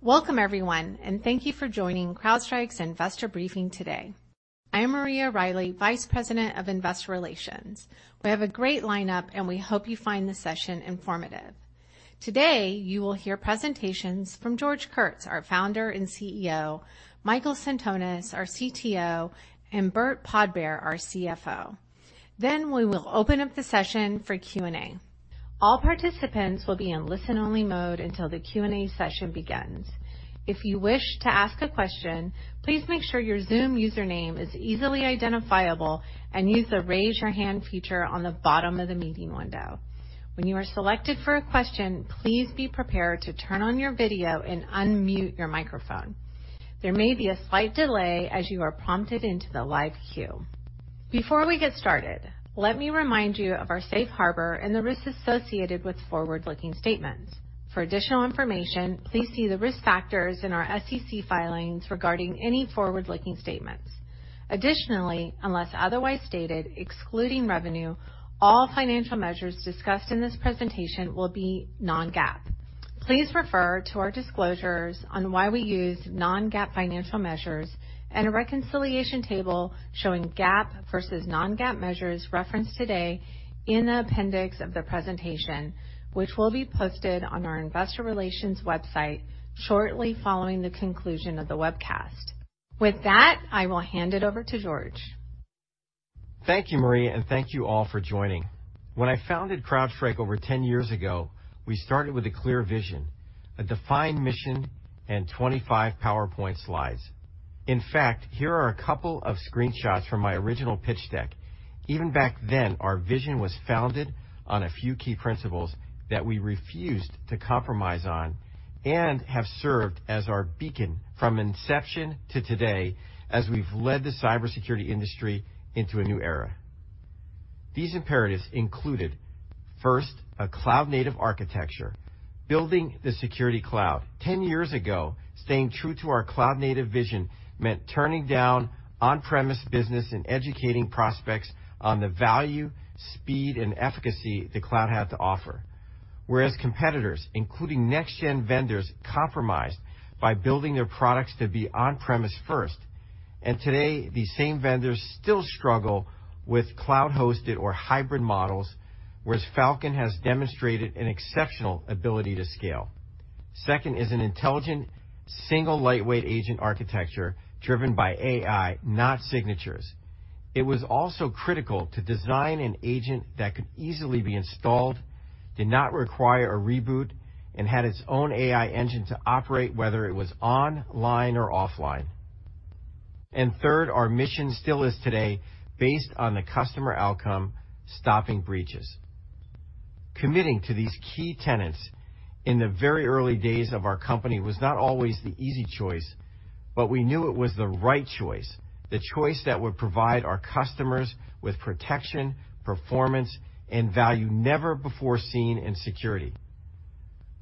Welcome everyone, and thank you for joining CrowdStrike's Investor Briefing today. I am Maria Riley, Vice President of Investor Relations. We have a great lineup, and we hope you find this session informative. Today, you will hear presentations from George Kurtz, our founder and CEO, Michael Sentonas, our CTO, and Burt Podbere, our CFO. Then we will open up the session for Q&A. All participants will be in listen-only mode until the Q&A session begins. If you wish to ask a question, please make sure your Zoom username is easily identifiable and use the Raise Your Hand feature on the bottom of the meeting window. When you are selected for a question, please be prepared to turn on your video and unmute your microphone. There may be a slight delay as you are prompted into the live queue. Before we get started, let me remind you of our safe harbor and the risks associated with forward-looking statements. For additional information, please see the risk factors in our SEC filings regarding any forward-looking statements. Additionally, unless otherwise stated, excluding revenue, all financial measures discussed in this presentation will be non-GAAP. Please refer to our disclosures on why we use non-GAAP financial measures and a reconciliation table showing GAAP versus non-GAAP measures referenced today in the appendix of the presentation, which will be posted on our investor relations website shortly following the conclusion of the webcast. With that, I will hand it over to George. Thank you, Maria, and thank you all for joining. When I founded CrowdStrike over 10 years ago, we started with a clear vision, a defined mission, and 25 PowerPoint slides. In fact, here are a couple of screenshots from my original pitch deck. Even back then, our vision was founded on a few key principles that we refused to compromise on and have served as our beacon from inception to today as we've led the cybersecurity industry into a new era. These imperatives included, first, a cloud-native architecture, building the security cloud. Ten years ago, staying true to our cloud-native vision meant turning down on-premises business and educating prospects on the value, speed, and efficacy the cloud had to offer. Whereas competitors, including next-gen vendors, compromised by building their products to be on-premises first. Today, these same vendors still struggle with cloud-hosted or hybrid models, whereas Falcon has demonstrated an exceptional ability to scale. Second is an intelligent, single lightweight agent architecture driven by AI, not signatures. It was also critical to design an agent that could easily be installed, did not require a reboot, and had its own AI engine to operate whether it was online or offline. Third, our mission still is today based on the customer outcome, stopping breaches. Committing to these key tenets in the very early days of our company was not always the easy choice, but we knew it was the right choice, the choice that would provide our customers with protection, performance, and value never before seen in security.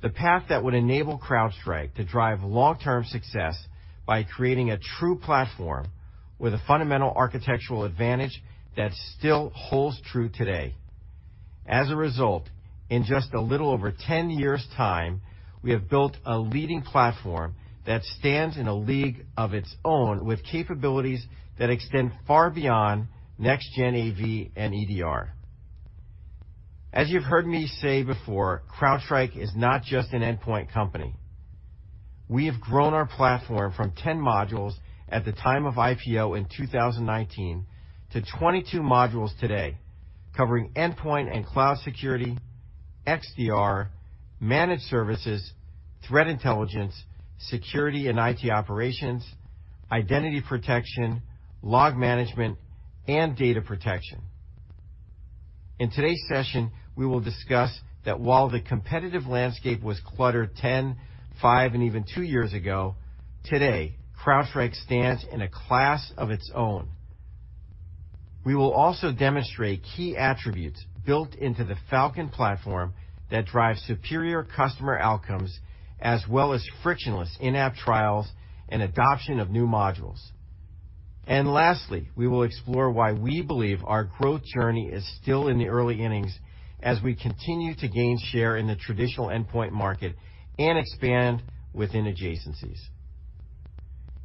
The path that would enable CrowdStrike to drive long-term success by creating a true platform with a fundamental architectural advantage that still holds true today. As a result, in just a little over 10 years' time, we have built a leading platform that stands in a league of its own with capabilities that extend far beyond next-gen AV and EDR. As you've heard me say before, CrowdStrike is not just an endpoint company. We have grown our platform from 10 modules at the time of IPO in 2019 to 22 modules today, covering endpoint and cloud security, XDR, managed services, threat intelligence, security and IT operations, identity protection, log management, and data protection. In today's session, we will discuss that while the competitive landscape was cluttered 10, five, and even two years ago, today CrowdStrike stands in a class of its own. We will also demonstrate key attributes built into the Falcon platform that drives superior customer outcomes, as well as frictionless in-app trials and adoption of new modules. Lastly, we will explore why we believe our growth journey is still in the early innings as we continue to gain share in the traditional endpoint market and expand within adjacencies.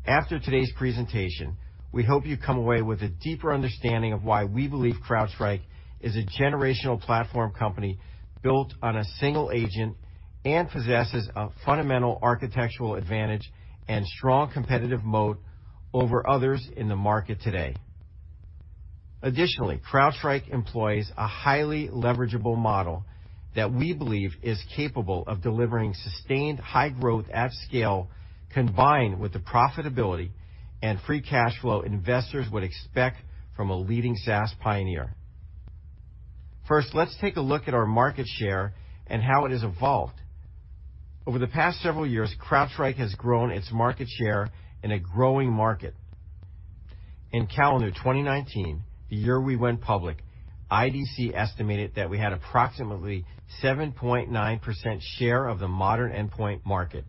After today's presentation, we hope you come away with a deeper understanding of why we believe CrowdStrike is a generational platform company built on a single agent and possesses a fundamental architectural advantage and strong competitive moat over others in the market today. Additionally, CrowdStrike employs a highly leverageable model that we believe is capable of delivering sustained high growth at scale, combined with the profitability and free cash flow investors would expect from a leading SaaS pioneer. First, let's take a look at our market share and how it has evolved. Over the past several years, CrowdStrike has grown its market share in a growing market. In calendar 2019, the year we went public, IDC estimated that we had approximately 7.9% share of the modern endpoint market.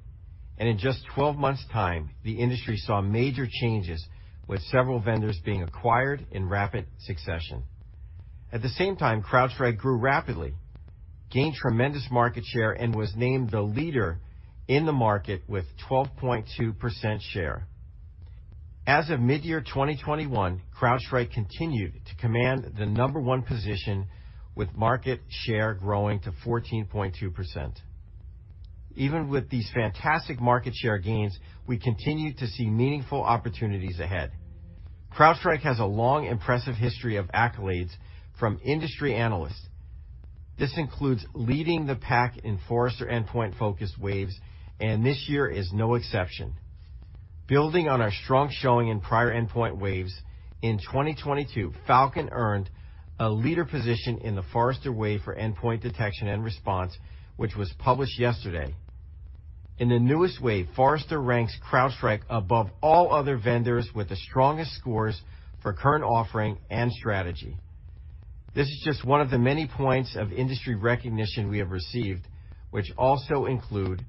In just 12 months' time, the industry saw major changes, with several vendors being acquired in rapid succession. At the same time, CrowdStrike grew rapidly, gained tremendous market share, and was named the leader in the market with 12.2% share. As of mid-year 2021, CrowdStrike continued to command the number one position with market share growing to 14.2%. Even with these fantastic market share gains, we continue to see meaningful opportunities ahead. CrowdStrike has a long, impressive history of accolades from industry analysts. This includes leading the pack in Forrester Endpoint-Focused Waves, and this year is no exception. Building on our strong showing in prior endpoint waves, in 2022, Falcon earned a leader position in the Forrester Wave for endpoint detection and response, which was published yesterday. In the newest wave, Forrester ranks CrowdStrike above all other vendors with the strongest scores for current offering and strategy. This is just one of the many points of industry recognition we have received, which also include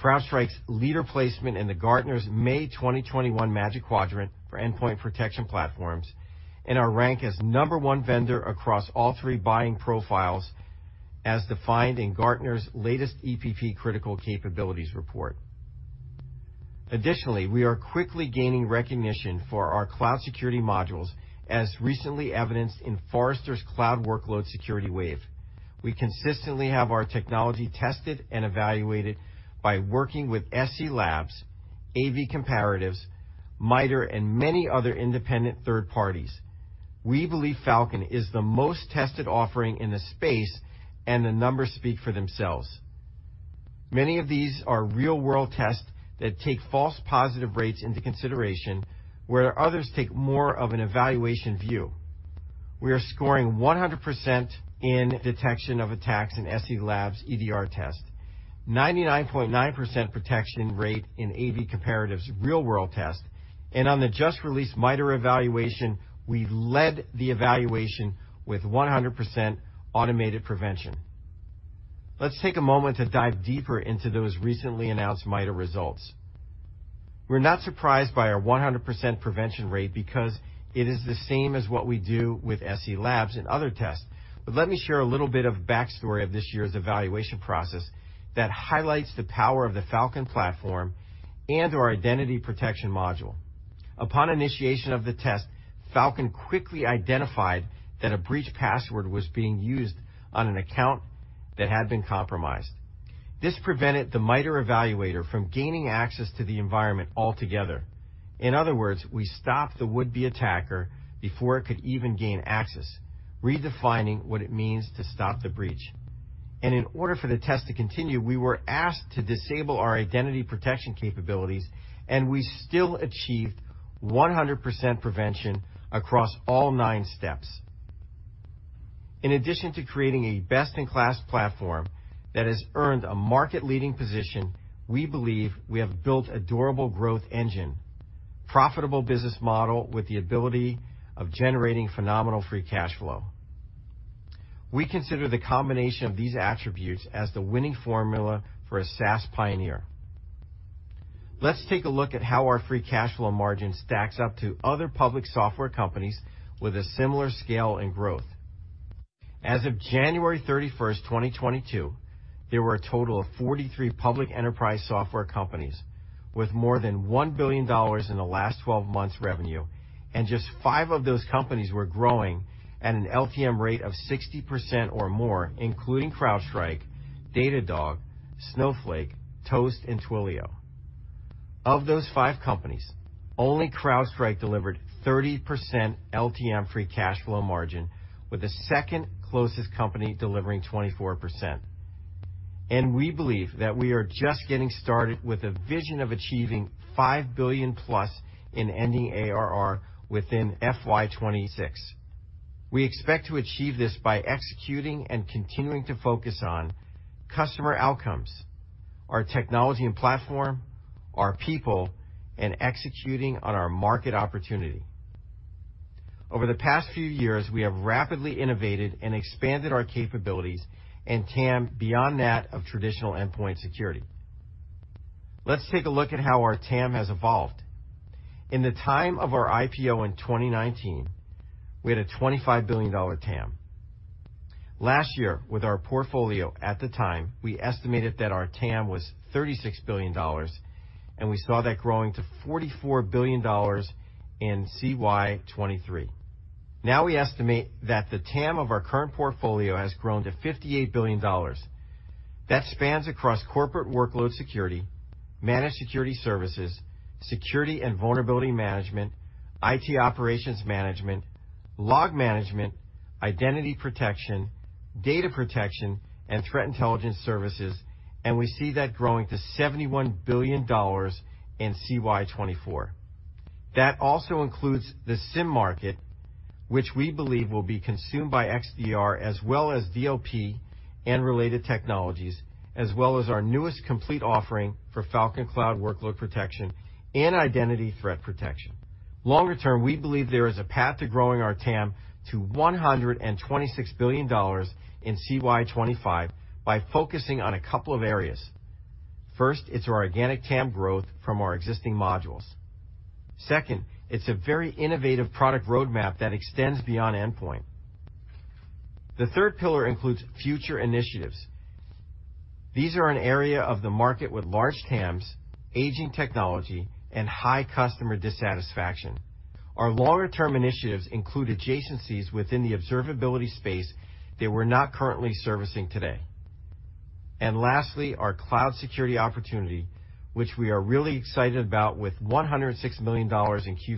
CrowdStrike's leader placement in Gartner's May 2021 Magic Quadrant for Endpoint Protection Platforms and our rank as number one vendor across all three buying profiles as defined in Gartner's latest EPP Critical Capabilities report. Additionally, we are quickly gaining recognition for our cloud security modules, as recently evidenced in Forrester's Cloud Workload Security Wave. We consistently have our technology tested and evaluated by working with SE Labs, AV-Comparatives, MITRE, and many other independent third parties. We believe Falcon is the most tested offering in the space, and the numbers speak for themselves. Many of these are real-world tests that take false positive rates into consideration, where others take more of an evaluation view. We are scoring 100% in detection of attacks in SE Labs EDR test, 99.9% protection rate in AV-Comparatives real-world test, and on the just-released MITRE evaluation, we led the evaluation with 100% automated prevention. Let's take a moment to dive deeper into those recently announced MITRE results. We're not surprised by our 100% prevention rate because it is the same as what we do with SE Labs in other tests. Let me share a little bit of backstory of this year's evaluation process that highlights the power of the Falcon platform and our identity protection module. Upon initiation of the test, Falcon quickly identified that a breach password was being used on an account that had been compromised. This prevented the MITRE evaluator from gaining access to the environment altogether. In other words, we stopped the would-be attacker before it could even gain access, redefining what it means to stop the breach. In order for the test to continue, we were asked to disable our identity protection capabilities, and we still achieved 100% prevention across all nine steps. In addition to creating a best-in-class platform that has earned a market-leading position, we believe we have built a durable growth engine, profitable business model with the ability of generating phenomenal free cash flow. We consider the combination of these attributes as the winning formula for a SaaS pioneer. Let's take a look at how our free cash flow margin stacks up to other public software companies with a similar scale and growth. As of January 31, 2022, there were a total of 43 public enterprise software companies with more than $1 billion in the last twelve months revenue, and just five of those companies were growing at an LTM rate of 60% or more, including CrowdStrike, Datadog, Snowflake, Toast, and Twilio. Of those five companies, only CrowdStrike delivered 30% LTM free cash flow margin, with the second closest company delivering 24%. We believe that we are just getting started with a vision of achieving $5 billion+ in ending ARR within FY 2026. We expect to achieve this by executing and continuing to focus on customer outcomes, our technology and platform, our people, and executing on our market opportunity. Over the past few years, we have rapidly innovated and expanded our capabilities and TAM beyond that of traditional endpoint security. Let's take a look at how our TAM has evolved. In the time of our IPO in 2019, we had a $25 billion TAM. Last year, with our portfolio at the time, we estimated that our TAM was $36 billion, and we saw that growing to $44 billion in CY 2023. Now we estimate that the TAM of our current portfolio has grown to $58 billion. That spans across corporate workload security, managed security services, security and vulnerability management, IT operations management, log management, identity protection, data protection, and threat intelligence services, and we see that growing to $71 billion in CY 2024. That also includes the SIEM market, which we believe will be consumed by XDR as well as DLP and related technologies, as well as our newest complete offering for Falcon Cloud Workload Protection and Identity Threat Protection. Longer term, we believe there is a path to growing our TAM to $126 billion in CY 2025 by focusing on a couple of areas. First, it's our organic TAM growth from our existing modules. Second, it's a very innovative product roadmap that extends beyond endpoint. The third pillar includes future initiatives. These are an area of the market with large TAMs, aging technology, and high customer dissatisfaction. Our longer-term initiatives include adjacencies within the observability space that we're not currently servicing today. Lastly, our cloud security opportunity, which we are really excited about with $106 million in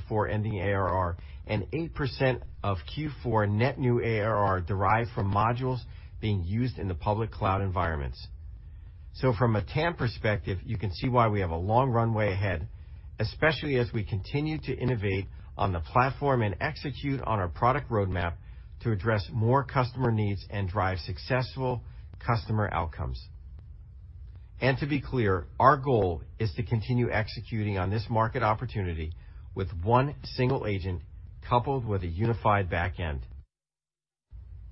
Q4 ending ARR and 8% of Q4 net new ARR derived from modules being used in the public cloud environments. From a TAM perspective, you can see why we have a long runway ahead, especially as we continue to innovate on the platform and execute on our product roadmap to address more customer needs and drive successful customer outcomes. To be clear, our goal is to continue executing on this market opportunity with one single agent coupled with a unified backend.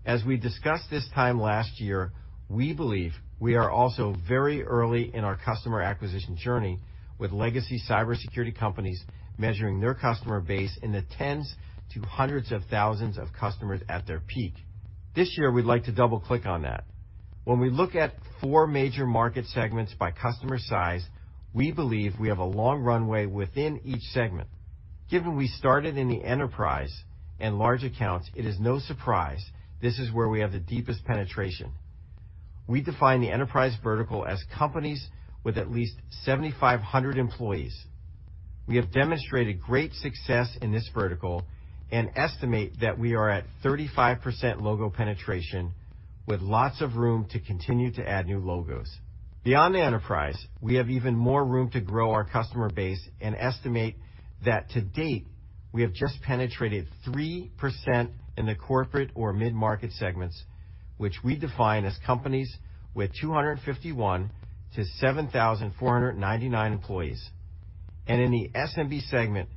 As we discussed this time last year, we believe we are also very early in our customer acquisition journey with legacy cybersecurity companies measuring their customer base in the tens to hundreds of thousands of customers at their peak. This year, we'd like to double-click on that. When we look at four major market segments by customer size, we believe we have a long runway within each segment. Given we started in the enterprise and large accounts, it is no surprise this is where we have the deepest penetration. We define the enterprise vertical as companies with at least 7,500 employees. We have demonstrated great success in this vertical and estimate that we are at 35% logo penetration with lots of room to continue to add new logos. Beyond the enterprise, we have even more room to grow our customer base and estimate that to date, we have just penetrated 3% in the corporate or mid-market segments, which we define as companies with 251 to 7,499 employees. In the SMB segment,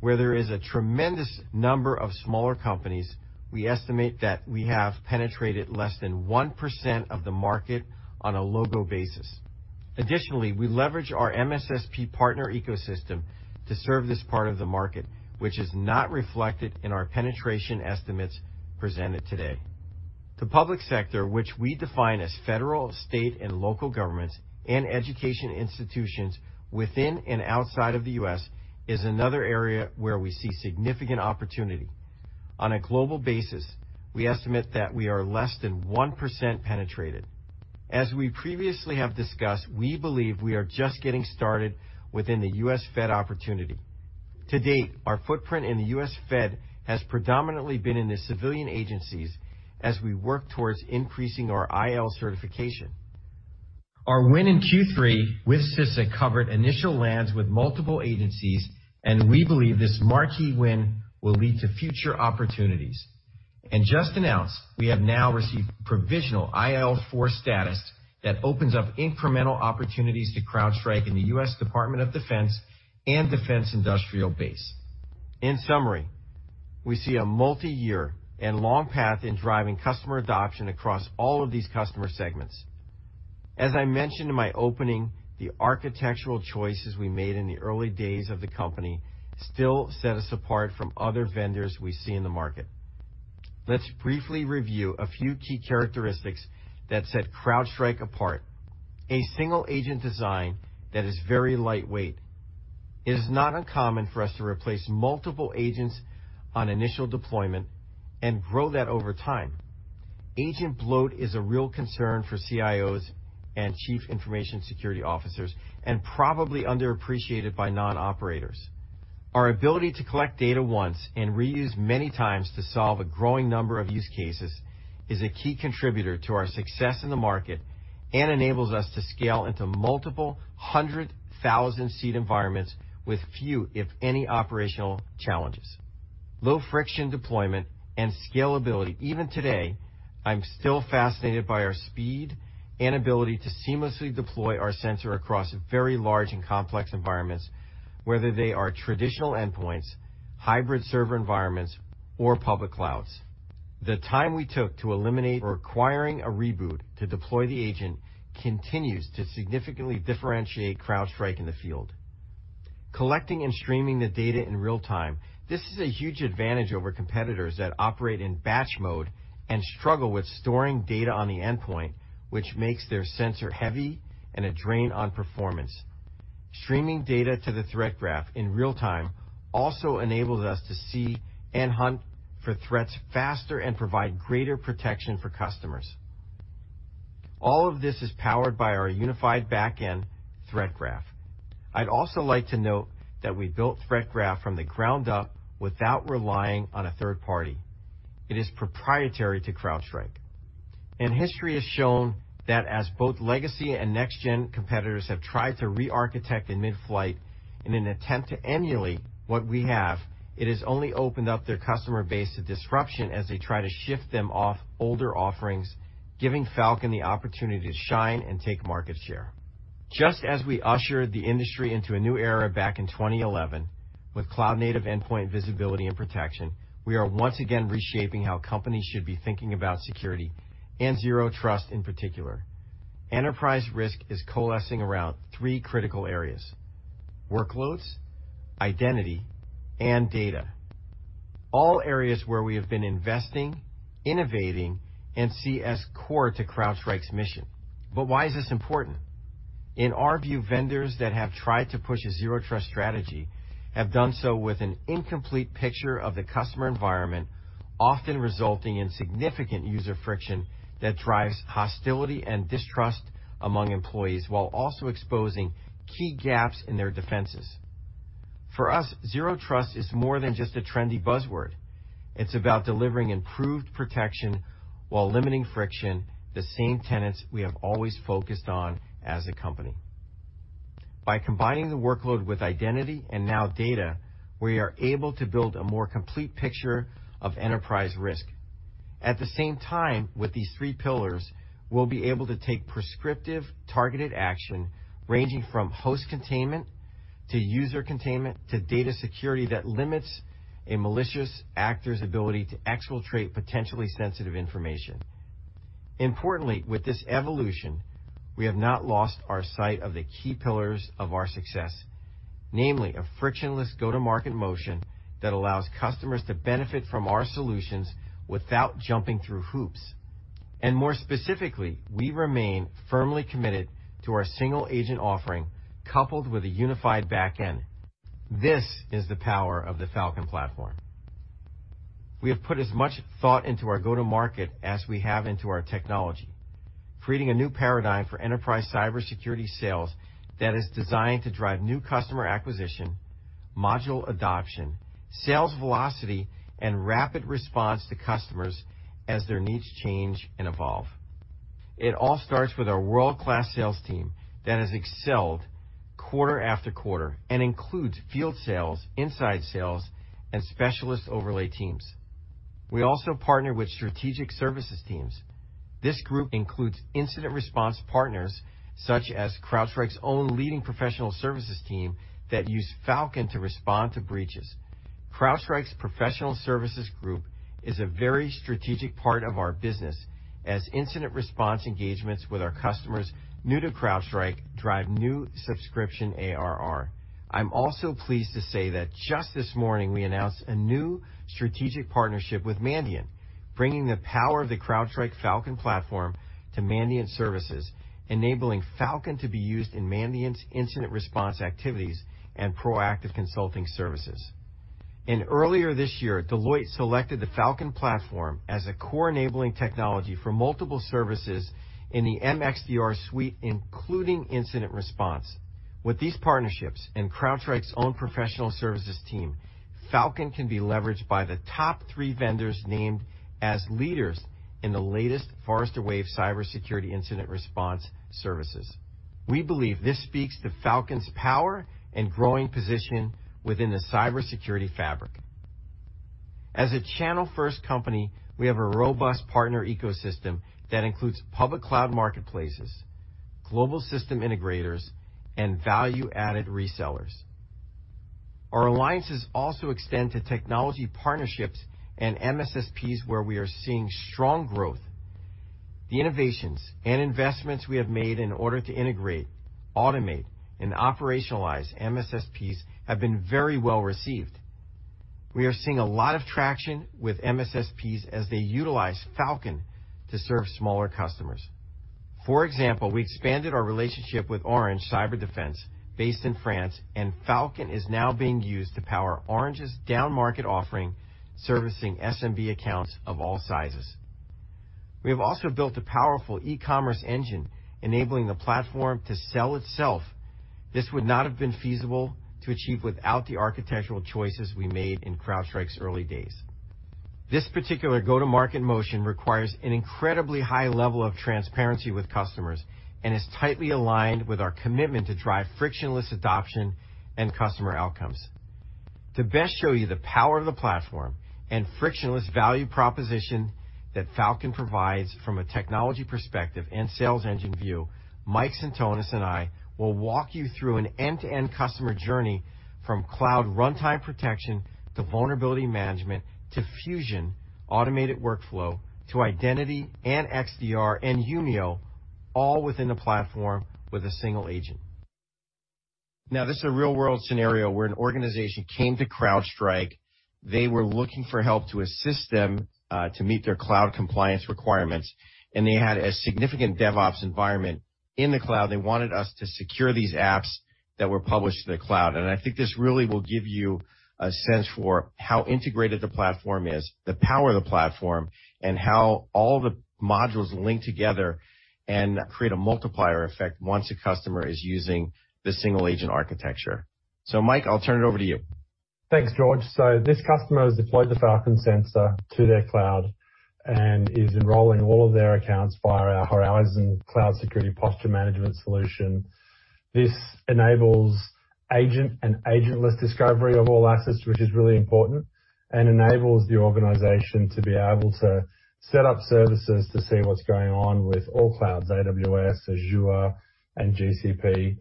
where there is a tremendous number of smaller companies, we estimate that we have penetrated less than 1% of the market on a logo basis. Additionally, we leverage our MSSP partner ecosystem to serve this part of the market, which is not reflected in our penetration estimates presented today. The public sector, which we define as federal, state, and local governments and education institutions within and outside of the U.S., is another area where we see significant opportunity. On a global basis, we estimate that we are less than 1% penetrated. As we previously have discussed, we believe we are just getting started within the U.S. Fed opportunity. To date, our footprint in the U.S. Fed has predominantly been in the civilian agencies as we work towards increasing our IL certification. Our win in Q3 with CISA covered initial lands with multiple agencies, and we believe this marquee win will lead to future opportunities. Just announced, we have now received provisional IL4 status that opens up incremental opportunities to CrowdStrike in the U.S. Department of Defense and Defense Industrial Base. In summary, we see a multi-year and long path in driving customer adoption across all of these customer segments. As I mentioned in my opening, the architectural choices we made in the early days of the company still set us apart from other vendors we see in the market. Let's briefly review a few key characteristics that set CrowdStrike apart. A single agent design that is very lightweight. It is not uncommon for us to replace multiple agents on initial deployment and grow that over time. Agent bloat is a real concern for CIOs and chief information security officers, and probably underappreciated by non-operators. Our ability to collect data once and reuse many times to solve a growing number of use cases is a key contributor to our success in the market and enables us to scale into multiple 100,000-seat environments with few, if any, operational challenges. Low friction deployment and scalability. Even today, I'm still fascinated by our speed and ability to seamlessly deploy our sensor across very large and complex environments, whether they are traditional endpoints, hybrid server environments or public clouds. The time we took to eliminate requiring a reboot to deploy the agent continues to significantly differentiate CrowdStrike in the field. Collecting and streaming the data in real-time, this is a huge advantage over competitors that operate in batch mode and struggle with storing data on the endpoint, which makes their sensor heavy and a drain on performance. Streaming data to the Threat Graph in real-time also enables us to see and hunt for threats faster and provide greater protection for customers. All of this is powered by our unified backend Threat Graph. I'd also like to note that we built Threat Graph from the ground up without relying on a third party. It is proprietary to CrowdStrike. History has shown that as both legacy and next gen competitors have tried to re-architect in mid-flight in an attempt to emulate what we have, it has only opened up their customer base to disruption as they try to shift them off older offerings, giving Falcon the opportunity to shine and take market share. Just as we ushered the industry into a new era back in 2011 with cloud-native endpoint visibility and protection, we are once again reshaping how companies should be thinking about security and Zero Trust in particular. Enterprise risk is coalescing around three critical areas, workloads, identity, and data. All areas where we have been investing, innovating, and see as core to CrowdStrike's mission. Why is this important? In our view, vendors that have tried to push a Zero Trust strategy have done so with an incomplete picture of the customer environment, often resulting in significant user friction that drives hostility and distrust among employees, while also exposing key gaps in their defenses. For us, Zero Trust is more than just a trendy buzzword. It's about delivering improved protection while limiting friction, the same tenets we have always focused on as a company. By combining the workload with identity and now data, we are able to build a more complete picture of enterprise risk. At the same time, with these three pillars, we'll be able to take prescriptive, targeted action ranging from host containment to user containment to data security that limits a malicious actor's ability to exfiltrate potentially sensitive information. Importantly, with this evolution, we have not lost our sight of the key pillars of our success, namely a frictionless go-to-market motion that allows customers to benefit from our solutions without jumping through hoops. More specifically, we remain firmly committed to our single agent offering, coupled with a unified back-end. This is the power of the Falcon platform. We have put as much thought into our go-to-market as we have into our technology, creating a new paradigm for enterprise cybersecurity sales that is designed to drive new customer acquisition, module adoption, sales velocity, and rapid response to customers as their needs change and evolve. It all starts with our world-class sales team that has excelled quarter after quarter and includes field sales, inside sales, and specialist overlay teams. We also partner with strategic services teams. This group includes incident response partners such as CrowdStrike's own leading professional services team that use Falcon to respond to breaches. CrowdStrike's professional services group is a very strategic part of our business as incident response engagements with our customers new to CrowdStrike drive new subscription ARR. I'm also pleased to say that just this morning, we announced a new strategic partnership with Mandiant, bringing the power of the CrowdStrike Falcon platform to Mandiant services, enabling Falcon to be used in Mandiant's incident response activities and proactive consulting services. Earlier this year, Deloitte selected the Falcon platform as a core enabling technology for multiple services in the MXDR suite, including incident response. With these partnerships and CrowdStrike's own professional services team, Falcon can be leveraged by the top three vendors named as leaders in the latest Forrester Wave Cybersecurity Incident Response Services. We believe this speaks to Falcon's power and growing position within the cybersecurity fabric. As a channel-first company, we have a robust partner ecosystem that includes public cloud marketplaces, global system integrators, and value-added resellers. Our alliances also extend to technology partnerships and MSSPs, where we are seeing strong growth. The innovations and investments we have made in order to integrate, automate, and operationalize MSSPs have been very well received. We are seeing a lot of traction with MSSPs as they utilize Falcon to serve smaller customers. For example, we expanded our relationship with Orange Cyberdefense based in France, and Falcon is now being used to power Orange's downmarket offering, servicing SMB accounts of all sizes. We have also built a powerful e-commerce engine, enabling the platform to sell itself. This would not have been feasible to achieve without the architectural choices we made in CrowdStrike's early days. This particular go-to-market motion requires an incredibly high level of transparency with customers and is tightly aligned with our commitment to drive frictionless adoption and customer outcomes. To best show you the power of the platform and frictionless value proposition that Falcon provides from a technology perspective and sales engine view, Michael Sentonas and I will walk you through an end-to-end customer journey from cloud runtime protection to vulnerability management, to Fusion, automated workflow, to identity and XDR and Humio, all within the platform with a single agent. Now, this is a real-world scenario where an organization came to CrowdStrike. They were looking for help to assist them to meet their cloud compliance requirements, and they had a significant DevOps environment in the cloud. They wanted us to secure these apps that were published in the cloud. I think this really will give you a sense for how integrated the platform is, the power of the platform, and how all the modules link together and create a multiplier effect once a customer is using the single agent architecture. Mike, I'll turn it over to you. Thanks, George. This customer has deployed the Falcon sensor to their cloud and is enrolling all of their accounts via our Horizon Cloud Security Posture Management solution. This enables agent and agentless discovery of all assets, which is really important, and enables the organization to be able to set up services to see what's going on with all clouds, AWS, Azure, and GCP.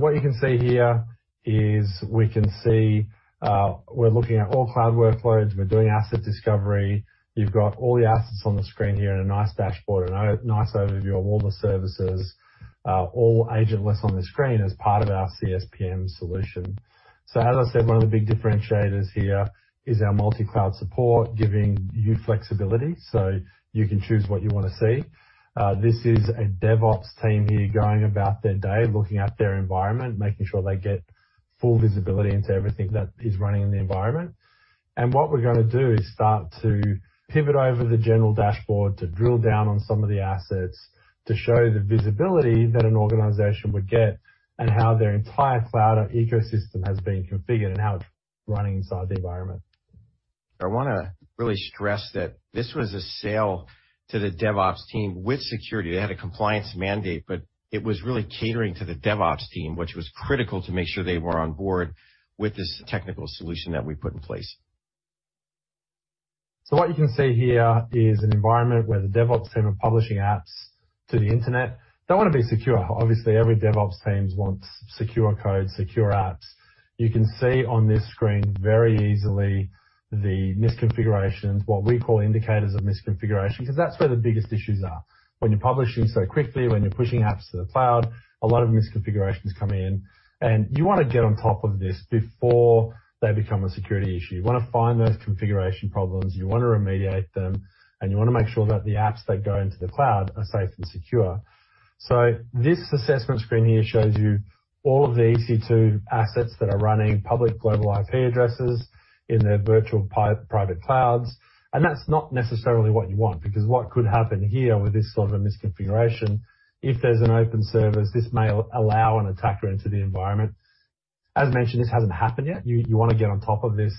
What you can see here is we can see, we're looking at all cloud workloads. We're doing asset discovery. You've got all the assets on the screen here in a nice dashboard and a nice overview of all the services, all agentless on the screen as part of our CSPM solution. As I said, one of the big differentiators here is our multi-cloud support, giving you flexibility so you can choose what you wanna see. This is a DevOps team here going about their day, looking at their environment, making sure they get full visibility into everything that is running in the environment. What we're gonna do is start to pivot over the general dashboard to drill down on some of the assets to show the visibility that an organization would get and how their entire cloud ecosystem has been configured and how it's running inside the environment. I wanna really stress that this was a sale to the DevOps team with security. They had a compliance mandate, but it was really catering to the DevOps team, which was critical to make sure they were on board with this technical solution that we put in place. What you can see here is an environment where the DevOps team are publishing apps to the Internet. They wanna be secure. Obviously, every DevOps team wants secure code, secure apps. You can see on this screen very easily the misconfigurations, what we call indicators of misconfiguration, 'cause that's where the biggest issues are. When you're publishing so quickly, when you're pushing apps to the cloud, a lot of misconfigurations come in, and you wanna get on top of this before they become a security issue. You wanna find those configuration problems, you wanna remediate them, and you wanna make sure that the apps that go into the cloud are safe and secure. This assessment screen here shows you all of the EC2 assets that are running public global IP addresses in their virtual private clouds, and that's not necessarily what you want because what could happen here with this sort of a misconfiguration, if there's an open service, this may allow an attacker into the environment. As mentioned, this hasn't happened yet. You wanna get on top of this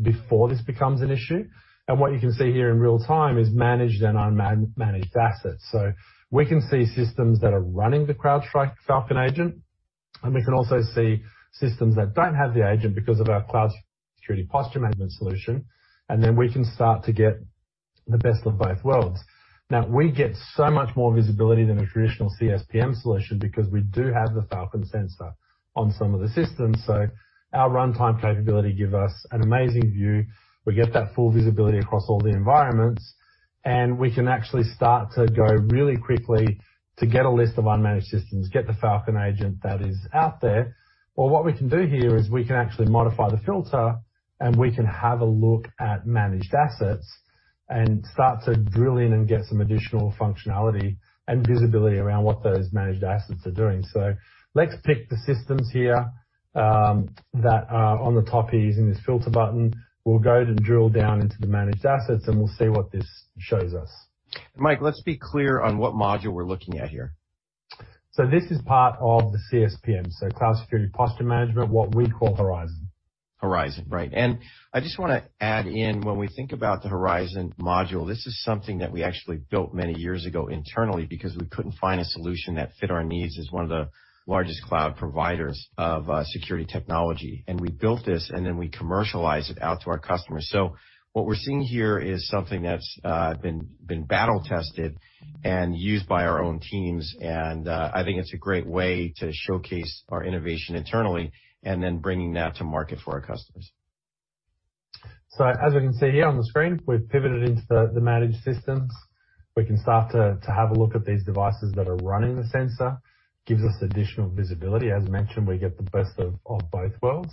before this becomes an issue. What you can see here in real-time is managed and unmanaged assets. We can see systems that are running the CrowdStrike Falcon agent, and we can also see systems that don't have the agent because of our cloud security posture management solution, and then we can start to get the best of both worlds. Now, we get so much more visibility than a traditional CSPM solution because we do have the Falcon sensor on some of the systems. Our runtime capability give us an amazing view. We get that full visibility across all the environments, and we can actually start to go really quickly to get a list of unmanaged systems, get the Falcon agent that is out there. Well, what we can do here is we can actually modify the filter, and we can have a look at managed assets and start to drill in and get some additional functionality and visibility around what those managed assets are doing. Let's pick the systems here, that are on the top here using this filter button. We'll go and drill down into the managed assets, and we'll see what this shows us. Mike, let's be clear on what module we're looking at here. This is part of the CSPM, so Cloud Security Posture Management, what we call Horizon. Horizon, right. I just wanna add in, when we think about the Horizon module, this is something that we actually built many years ago internally because we couldn't find a solution that fit our needs as one of the largest cloud providers of security technology. We built this, and then we commercialized it out to our customers. What we're seeing here is something that's been battle-tested and used by our own teams, and I think it's a great way to showcase our innovation internally and then bringing that to market for our customers. As we can see here on the screen, we've pivoted into the managed systems. We can start to have a look at these devices that are running the sensor. Gives us additional visibility. As mentioned, we get the best of both worlds.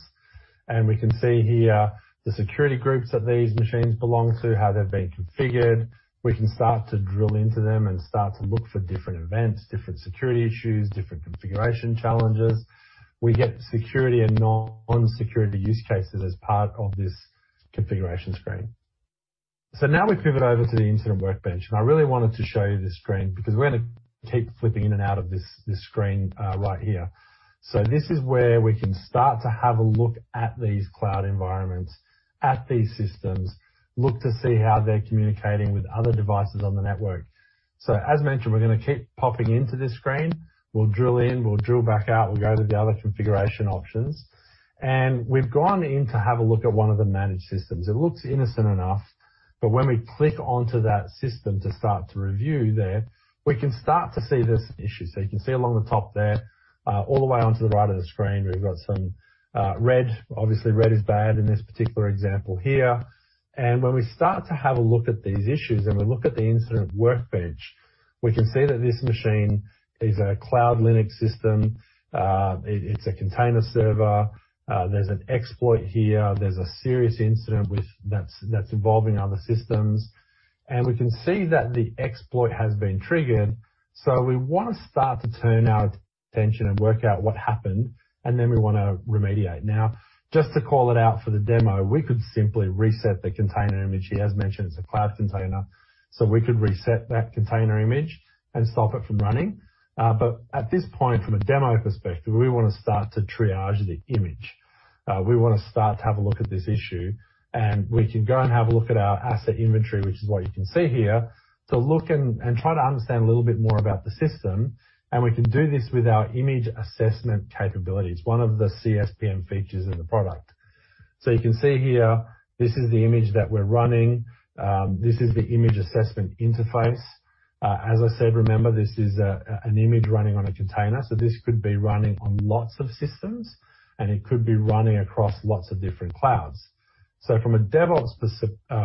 We can see here the security groups that these machines belong to, how they've been configured. We can start to drill into them and start to look for different events, different security issues, different configuration challenges. We get security and non-security use cases as part of this configuration screen. Now we pivot over to the incident workbench. I really wanted to show you this screen because we're gonna keep flipping in and out of this screen right here. This is where we can start to have a look at these cloud environments, at these systems, look to see how they're communicating with other devices on the network. As mentioned, we're gonna keep popping into this screen. We'll drill in, we'll drill back out, we'll go to the other configuration options. We've gone in to have a look at one of the managed systems. It looks innocent enough, but when we click onto that system to start to review there, we can start to see this issue. You can see along the top there, all the way onto the right of the screen, we've got some red. Obviously, red is bad in this particular example here. When we start to have a look at these issues, and we look at the incident workbench, we can see that this machine is a cloud Linux system. It's a container server. There's an exploit here. There's a serious incident that's involving other systems. We can see that the exploit has been triggered. We wanna start to turn our attention and work out what happened, and then we wanna remediate. Now, just to call it out for the demo, we could simply reset the container image here. As mentioned, it's a cloud container, so we could reset that container image and stop it from running. At this point, from a demo perspective, we wanna start to triage the image. We wanna start to have a look at this issue, and we can go and have a look at our asset inventory, which is what you can see here, to look and try to understand a little bit more about the system, and we can do this with our image assessment capabilities, one of the CSPM features in the product. You can see here, this is the image that we're running. This is the image assessment interface. As I said, remember, this is an image running on a container, so this could be running on lots of systems, and it could be running across lots of different clouds. From a DevOps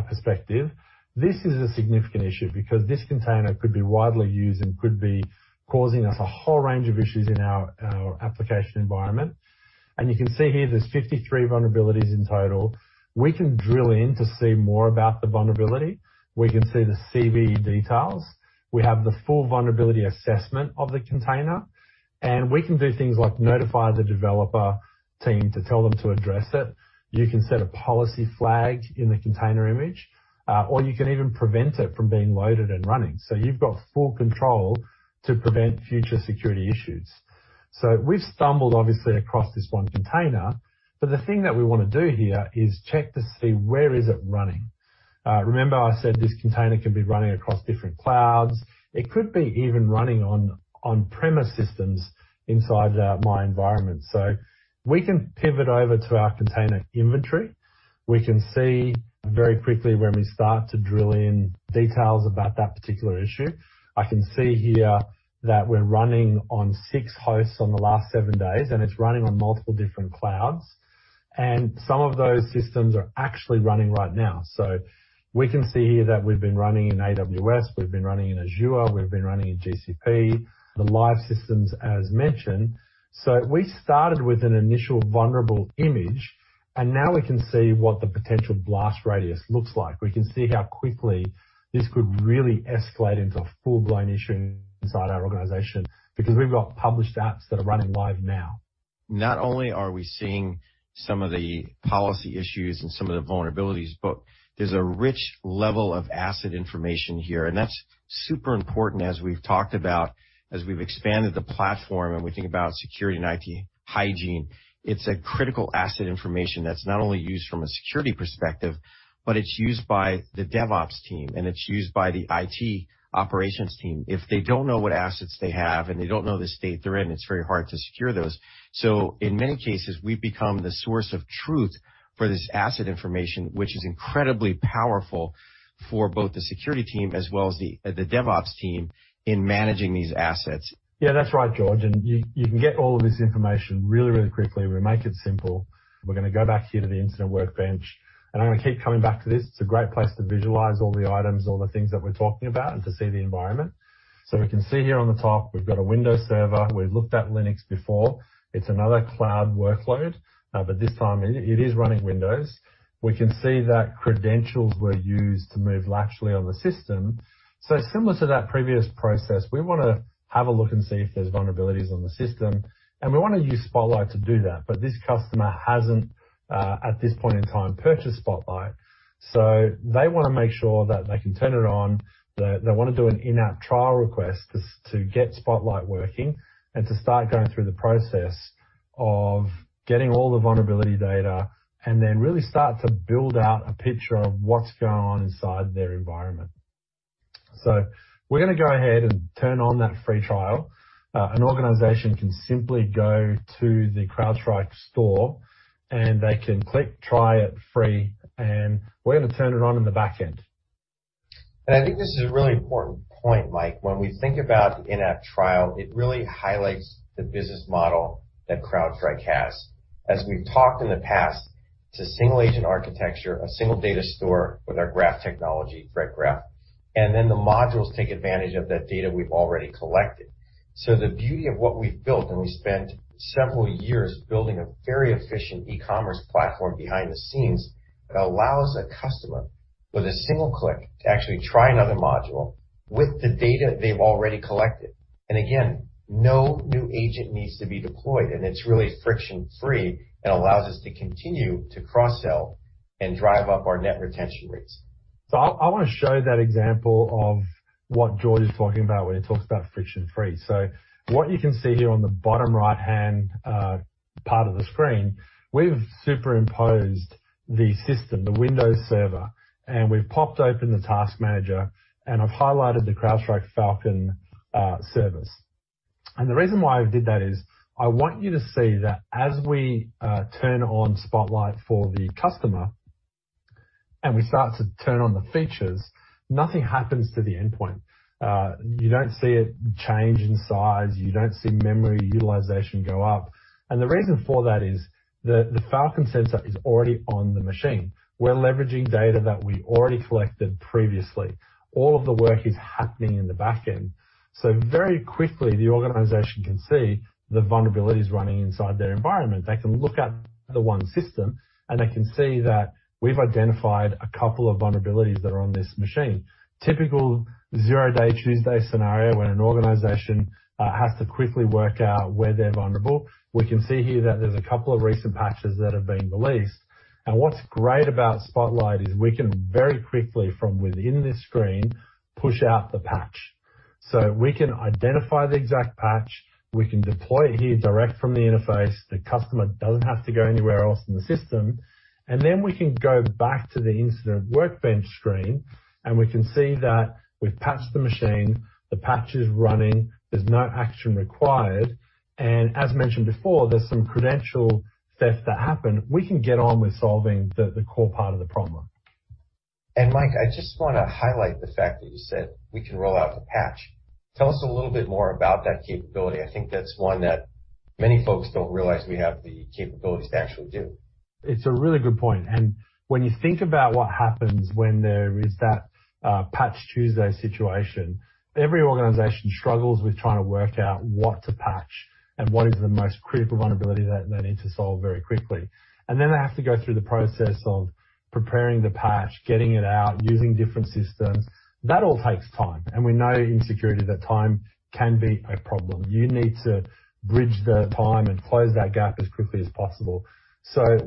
perspective, this is a significant issue because this container could be widely used and could be causing us a whole range of issues in our application environment. You can see here there's 53 vulnerabilities in total. We can drill in to see more about the vulnerability. We can see the CVE details. We have the full vulnerability assessment of the container, and we can do things like notify the developer team to tell them to address it. You can set a policy flag in the container image, or you can even prevent it from being loaded and running. You've got full control to prevent future security issues. We've stumbled obviously across this one container, but the thing that we wanna do here is check to see where is it running. Remember I said this container could be running across different clouds. It could be even running on-premise systems inside my environment. We can pivot over to our container inventory. We can see very quickly when we start to drill in details about that particular issue. I can see here that we're running on six hosts over the last seven days, and it's running on multiple different clouds, and some of those systems are actually running right now. We can see here that we've been running in AWS, we've been running in Azure, we've been running in GCP, the live systems, as mentioned. We started with an initial vulnerable image, and now we can see what the potential blast radius looks like. We can see how quickly this could really escalate into a full-blown issue inside our organization because we've got published apps that are running live now. Not only are we seeing some of the policy issues and some of the vulnerabilities, but there's a rich level of asset information here, and that's super important, as we've talked about, as we've expanded the platform and we think about security and IT hygiene. It's a critical asset information that's not only used from a security perspective, but it's used by the DevOps team, and it's used by the IT operations team. If they don't know what assets they have and they don't know the state they're in, it's very hard to secure those. In many cases, we've become the source of truth for this asset information, which is incredibly powerful for both the security team as well as the DevOps team in managing these assets. Yeah, that's right, George. You can get all of this information really, really quickly. We make it simple. We're gonna go back here to the incident workbench, and I'm gonna keep coming back to this. It's a great place to visualize all the items, all the things that we're talking about, and to see the environment. We can see here on the top, we've go t a Windows server. We've looked at Linux before. It's another cloud workload, but this time it is running Windows. We can see that credentials were used to move laterally on the system. Similar to that previous process, we wanna have a look and see if there's vulnerabilities on the system, and we wanna use Spotlight to do that. This customer hasn't, at this point in time, purchased Spotlight. They wanna make sure that they can turn it on. They wanna do an in-app trial request to get Spotlight working and to start going through the process of getting all the vulnerability data and then really start to build out a picture of what's going on inside their environment. We're gonna go ahead and turn on that free trial. An organization can simply go to the CrowdStrike store, and they can click Try it free, and we're gonna turn it on in the back end. I think this is a really important point, Mike. When we think about the in-app trial, it really highlights the business model that CrowdStrike has. As we've talked in the past, it's a single-agent architecture, a single data store with our graph technology, Threat Graph, and then the modules take advantage of that data we've already collected. The beauty of what we've built, and we spent several years building a very efficient e-commerce platform behind the scenes that allows a customer, with a single click, to actually try another module with the data they've already collected. Again, no new agent needs to be deployed, and it's really friction-free and allows us to continue to cross-sell and drive up our net retention rates. I want to show that example of what George is talking about when he talks about friction-free. What you can see here on the bottom right-hand part of the screen, we've superimposed the system, the Windows server, and we've popped open the Task Manager, and I've highlighted the CrowdStrike Falcon service. The reason why I did that is I want you to see that as we turn on Spotlight for the customer and we start to turn on the features, nothing happens to the endpoint. You don't see it change in size, you don't see memory utilization go up. The reason for that is the Falcon sensor is already on the machine. We're leveraging data that we already collected previously. All of the work is happening in the back end. Very quickly, the organization can see the vulnerabilities running inside their environment. They can look at the one system, and they can see that we've identified a couple of vulnerabilities that are on this machine. Typical Patch Tuesday scenario when an organization has to quickly work out where they're vulnerable. We can see here that there's a couple of recent patches that have been released. What's great about Spotlight is we can very quickly, from within this screen, push out the patch. We can identify the exact patch, we can deploy it here direct from the interface. The customer doesn't have to go anywhere else in the system. Then we can go back to the incident workbench screen, and we can see that we've patched the machine, the patch is running, there's no action required. As mentioned before, there's some credential theft that happened. We can get on with solving the core part of the problem. Mike, I just wanna highlight the fact that you said we can roll out the patch. Tell us a little bit more about that capability. I think that's one that many folks don't realize we have the capabilities to actually do. It's a really good point. When you think about what happens when there is that Patch Tuesday situation, every organization struggles with trying to work out what to patch and what is the most critical vulnerability that they need to solve very quickly. Then they have to go through the process of preparing the patch, getting it out, using different systems. That all takes time. We know in security that time can be a problem. You need to bridge the time and close that gap as quickly as possible.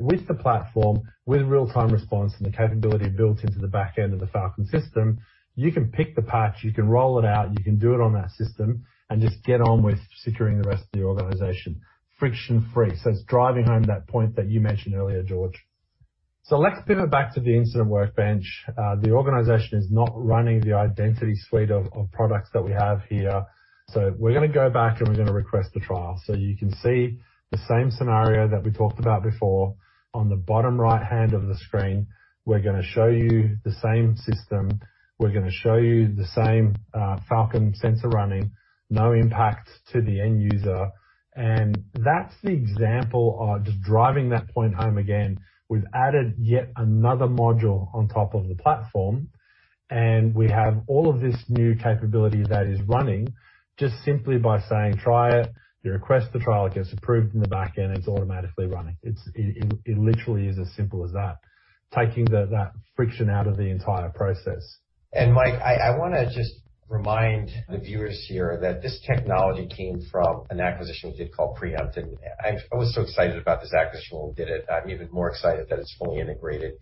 With the platform, with Real Time Response and the capability built into the back end of the Falcon system, you can pick the patch, you can roll it out, you can do it on that system, and just get on with securing the rest of the organization friction-free. It's driving home that point that you mentioned earlier, George. Let's pivot back to the incident workbench. The organization is not running the identity suite of products that we have here, so we're gonna go back and we're gonna request the trial. You can see the same scenario that we talked about before on the bottom right hand of the screen. We're gonna show you the same system, the same Falcon sensor running. No impact to the end user. That's the example of just driving that point home again. We've added yet another module on top of the platform, and we have all of this new capability that is running just simply by saying, try it. You request the trial, it gets approved in the back end, it's automatically running. It literally is as simple as that, taking that friction out of the entire process. Mike, I wanna just remind the viewers here that this technology came from an acquisition we did called Preempt. I was so excited about this acquisition when we did it. I'm even more excited that it's fully integrated,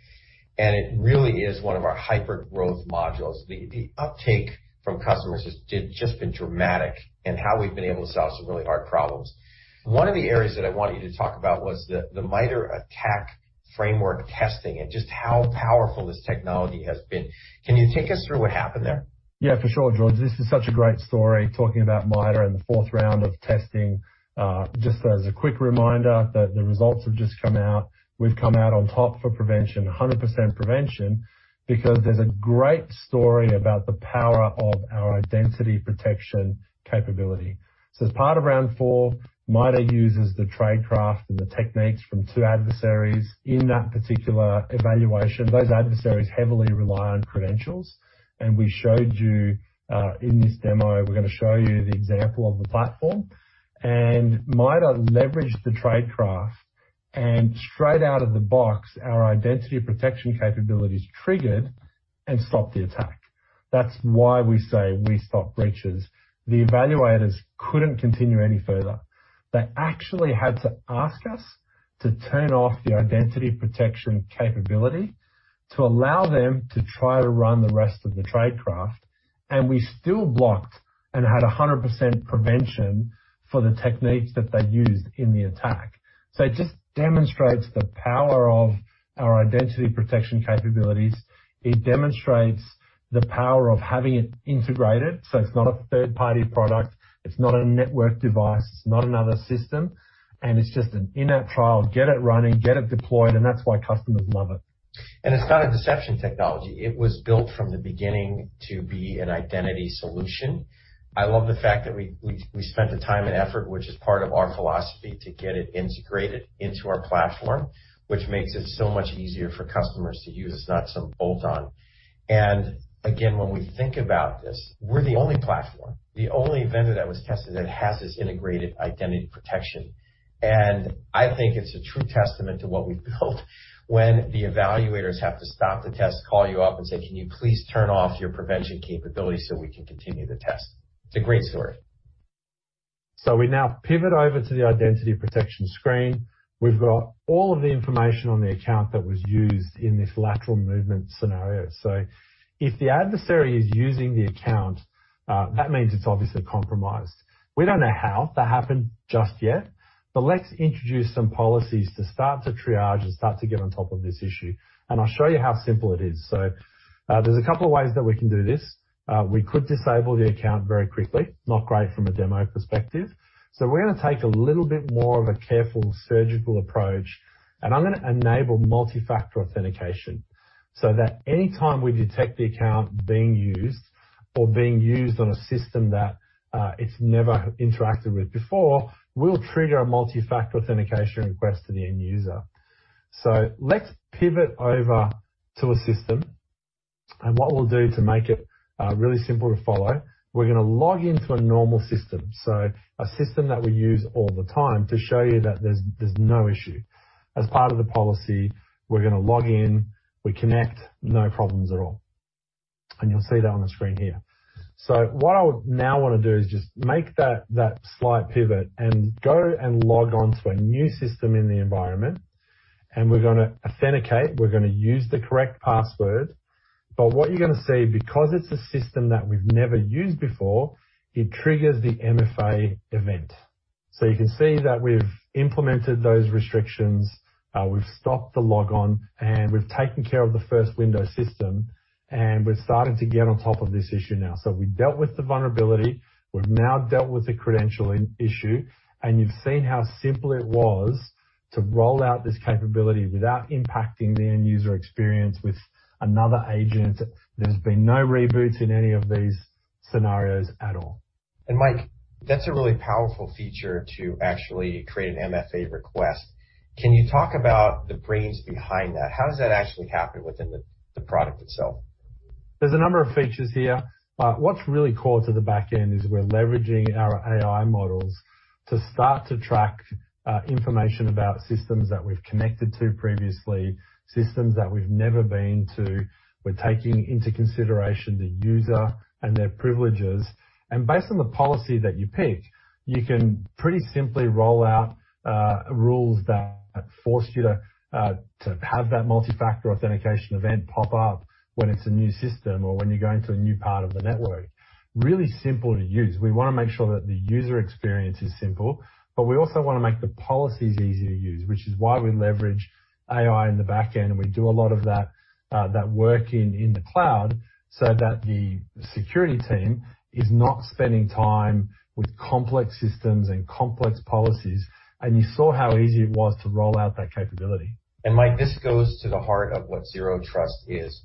and it really is one of our hyper-growth modules. The uptake from customers has just been dramatic in how we've been able to solve some really hard problems. One of the areas that I want you to talk about was the MITRE ATT&CK framework testing and just how powerful this technology has been. Can you take us through what happened there? Yeah, for sure, George. This is such a great story, talking about MITRE and the fourth round of testing. Just as a quick reminder, the results have just come out. We've come out on top for prevention, 100% prevention, because there's a great story about the power of our identity protection capability. As part of round four, MITRE uses the tradecraft and the techniques from two adversaries in that particular evaluation. Those adversaries heavily rely on credentials, and we showed you in this demo, we're gonna show you the example of the platform. MITRE leveraged the tradecraft, and straight out of the box, our identity protection capabilities triggered and stopped the attack. That's why we say we stop breaches. The evaluators couldn't continue any further. They actually had to ask us to turn off the identity protection capability to allow them to try to run the rest of the tradecraft, and we still blocked and had 100% prevention for the techniques that they used in the attack. It just demonstrates the power of our identity protection capabilities. It demonstrates the power of having it integrated so it's not a third-party product, it's not a network device, it's not another system, and it's just an in-app trial. Get it running, get it deployed, and that's why customers love it. It's not a deception technology. It was built from the beginning to be an identity solution. I love the fact that we spent the time and effort, which is part of our philosophy, to get it integrated into our platform, which makes it so much easier for customers to use, not some bolt-on. Again, when we think about this, we're the only platform, the only vendor that was tested that has this integrated identity protection. I think it's a true testament to what we've built when the evaluators have to stop the test, call you up and say, "Can you please turn off your prevention capabilities so we can continue the test?" It's a great story. We now pivot over to the identity protection screen. We've got all of the information on the account that was used in this lateral movement scenario. If the adversary is using the account, that means it's obviously compromised. We don't know how that happened just yet, but let's introduce some policies to start to triage and start to get on top of this issue. I'll show you how simple it is. There's a couple of ways that we can do this. We could disable the account very quickly. Not great from a demo perspective. We're gonna take a little bit more of a careful surgical approach, and I'm gonna enable multi-factor authentication so that any time we detect the account being used or being used on a system that it's never interacted with before, we'll trigger a multi-factor authentication request to the end user. Let's pivot over to a system. What we'll do to make it really simple to follow, we're gonna log into a normal system, so a system that we use all the time to show you that there's no issue. As part of the policy, we're gonna log in, we connect. No problems at all. You'll see that on the screen here. What I now wanna do is just make that slight pivot and go and log on to a new system in the environment. We're gonna authenticate, we're gonna use the correct password. What you're gonna see, because it's a system that we've never used before, it triggers the MFA event. You can see that we've implemented those restrictions, we've stopped the logon, and we've taken care of the first Windows system, and we're starting to get on top of this issue now. We've dealt with the vulnerability, we've now dealt with the credentialing issue, and you've seen how simple it was to roll out this capability without impacting the end user experience with another agent. There's been no reboots in any of these scenarios at all. Mike, that's a really powerful feature to actually create an MFA request. Can you talk about the brains behind that? How does that actually happen within the product itself? There's a number of features here, but what's really core to the back end is we're leveraging our AI models to start to track information about systems that we've connected to previously, systems that we've never been to. We're taking into consideration the user and their privileges, and based on the policy that you picked, you can pretty simply roll out rules that force you to have that multi-factor authentication event pop up when it's a new system or when you're going to a new part of the network. Really simple to use. We wanna make sure that the user experience is simple, but we also wanna make the policies easy to use, which is why we leverage AI in the back end, and we do a lot of that work in the cloud so that the security team is not spending time with complex systems and complex policies. You saw how easy it was to roll out that capability. Mike, this goes to the heart of what Zero Trust is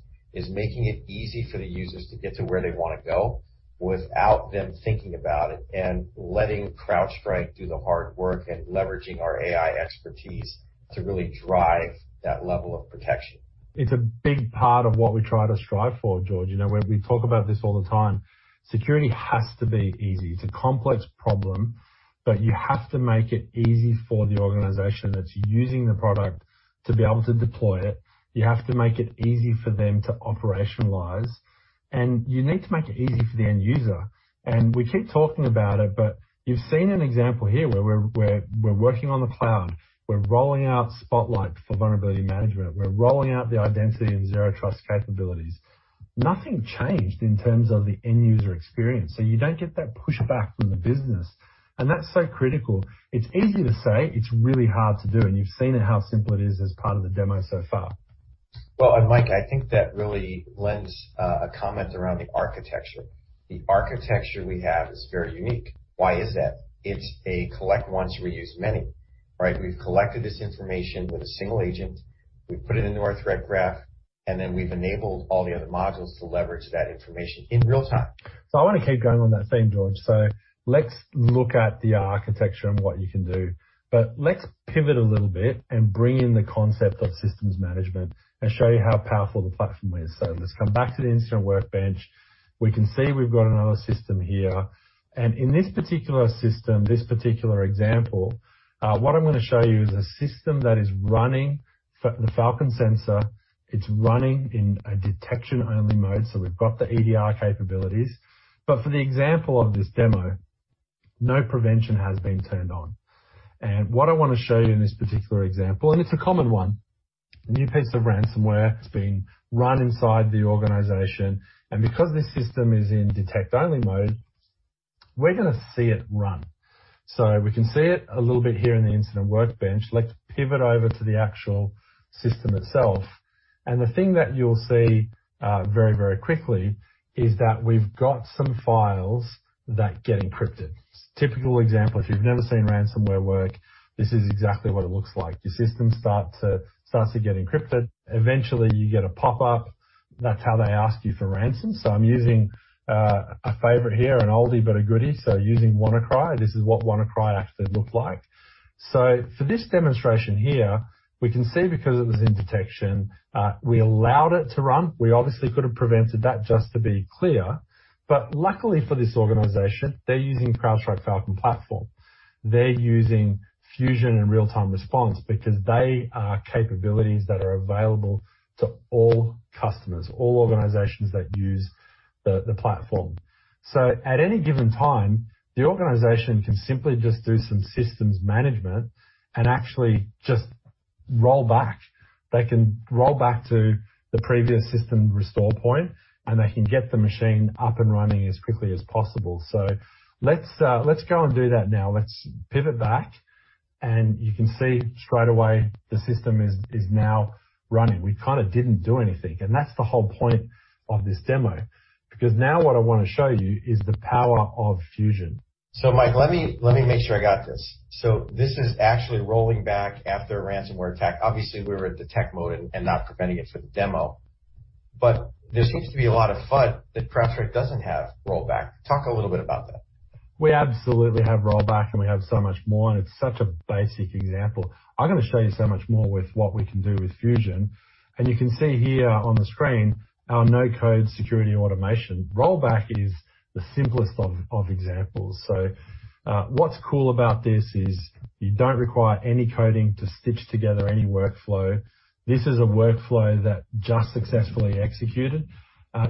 making it easy for the users to get to where they wanna go without them thinking about it and letting CrowdStrike do the hard work and leveraging our AI expertise to really drive that level of protection. It's a big part of what we try to strive for, George. You know, when we talk about this all the time, security has to be easy. It's a complex problem, but you have to make it easy for the organization that's using the product to be able to deploy it. You have to make it easy for them to operationalize, and you need to make it easy for the end user. We keep talking about it, but you've seen an example here where we're working on the cloud. We're rolling out Spotlight for vulnerability management. We're rolling out the identity and Zero Trust capabilities. Nothing changed in terms of the end user experience, so you don't get that pushback from the business, and that's so critical. It's easy to say, it's really hard to do, and you've seen it how simple it is as part of the demo so far. Mike, I think that really lends a comment around the architecture. The architecture we have is very unique. Why is that? It's a collect once, reuse many, right? We've collected this information with a single agent. We've put it into our Threat Graph, and then we've enabled all the other modules to leverage that information in real time. I wanna keep going on that theme, George. Let's look at the architecture and what you can do. Let's pivot a little bit and bring in the concept of systems management and show you how powerful the platform is. Let's come back to the incident workbench. We can see we've got another system here. In this particular system, this particular example, what I'm gonna show you is a system that is running the Falcon sensor. It's running in a detection-only mode, so we've got the EDR capabilities. For the example of this demo, no prevention has been turned on. What I wanna show you in this particular example, and it's a common one, a new piece of ransomware is being run inside the organization, and because this system is in detect-only mode, we're gonna see it run. We can see it a little bit here in the incident workbench. Let's pivot over to the actual system itself. The thing that you'll see, very, very quickly is that we've got some files that get encrypted. Typical example, if you've never seen ransomware work, this is exactly what it looks like. Your system starts to get encrypted. Eventually you get a pop-up. That's how they ask you for ransom. I'm using a favorite here, an oldie but a goodie, using WannaCry. This is what WannaCry actually looked like. For this demonstration here, we can see because it was in detection, we allowed it to run. We obviously could have prevented that, just to be clear. Luckily for this organization, they're using CrowdStrike Falcon platform. They're using Fusion and Real Time Response because they are capabilities that are available to all customers, all organizations that use the platform. At any given time, the organization can simply just do some systems management and actually just roll back. They can roll back to the previous system restore point, and they can get the machine up and running as quickly as possible. Let's go and do that now. Let's pivot back, and you can see straightaway the system is now running. We kinda didn't do anything, and that's the whole point of this demo because now what I wanna show you is the power of Fusion. Mike, let me make sure I got this. This is actually rolling back after a ransomware attack. Obviously we were at detect mode and not preventing it for the demo. There seems to be a lot of FUD that CrowdStrike doesn't have rollback. Talk a little bit about that. We absolutely have rollback, and we have so much more, and it's such a basic example. I'm gonna show you so much more with what we can do with Fusion, and you can see here on the screen our no-code security automation. Rollback is the simplest of examples. What's cool about this is you don't require any coding to stitch together any workflow. This is a workflow that just successfully executed.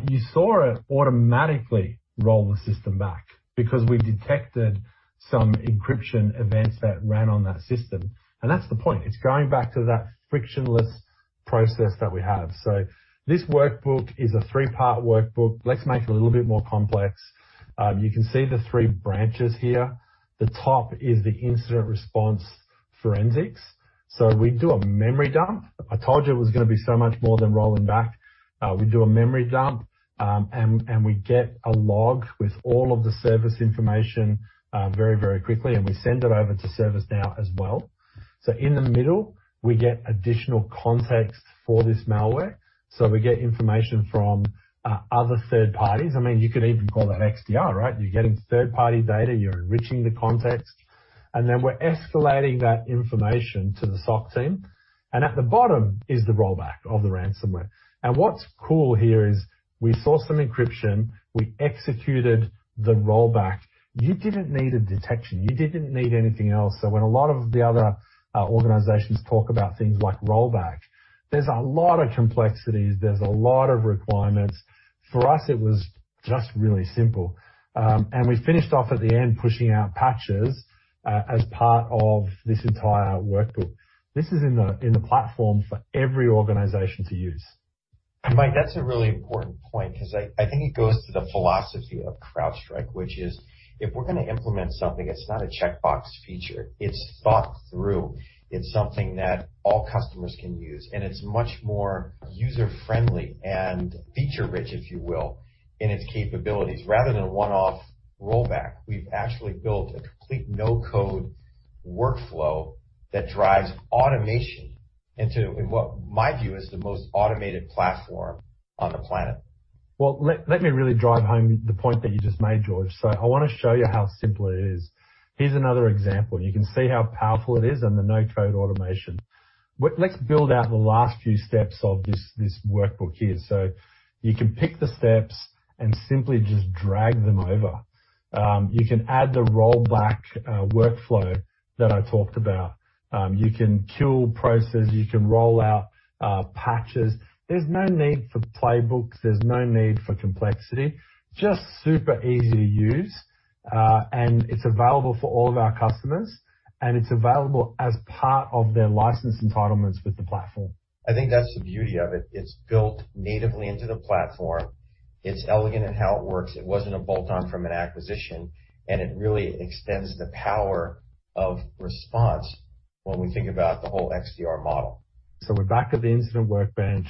You saw it automatically roll the system back because we detected some encryption events that ran on that system. That's the point. It's going back to that frictionless process that we have. This workflow is a three-part workflow. Let's make it a little bit more complex. You can see the three branches here. The top is the incident response forensics. We do a memory dump. I told you it was gonna be so much more than rolling back. We do a memory dump, and we get a log with all of the service information very, very quickly, and we send it over to ServiceNow as well. In the middle, we get additional context for this malware. We get information from other third parties. I mean, you could even call that XDR, right? You're getting third-party data, you're enriching the context, and then we're escalating that information to the SOC team. At the bottom is the rollback of the ransomware. What's cool here is we saw some encryption, we executed the rollback. You didn't need a detection, you didn't need anything else. When a lot of the other organizations talk about things like rollback, there's a lot of complexities, there's a lot of requirements. For us, it was just really simple. We finished off at the end pushing out patches as part of this entire workbook. This is in the platform for every organization to use. Mike, that's a really important point 'cause I think it goes to the philosophy of CrowdStrike, which is if we're gonna implement something, it's not a checkbox feature, it's thought through. It's something that all customers can use, and it's much more user-friendly and feature-rich, if you will, in its capabilities. Rather than a one-off rollback, we've actually built a complete no-code workflow that drives automation into what my view is the most automated platform on the planet. Well, let me really drive home the point that you just made, George. I wanna show you how simple it is. Here's another example. You can see how powerful it is and the no-code automation. Let's build out the last few steps of this workbook here. You can pick the steps and simply just drag them over. You can add the rollback workflow that I talked about. You can kill processes, you can roll out patches. There's no need for playbooks, there's no need for complexity. Just super easy to use, and it's available for all of our customers, and it's available as part of their license entitlements with the platform. I think that's the beauty of it. It's built natively into the platform. It's elegant in how it works. It wasn't a bolt-on from an acquisition, and it really extends the power of response when we think about the whole XDR model. We're back at the incident workbench.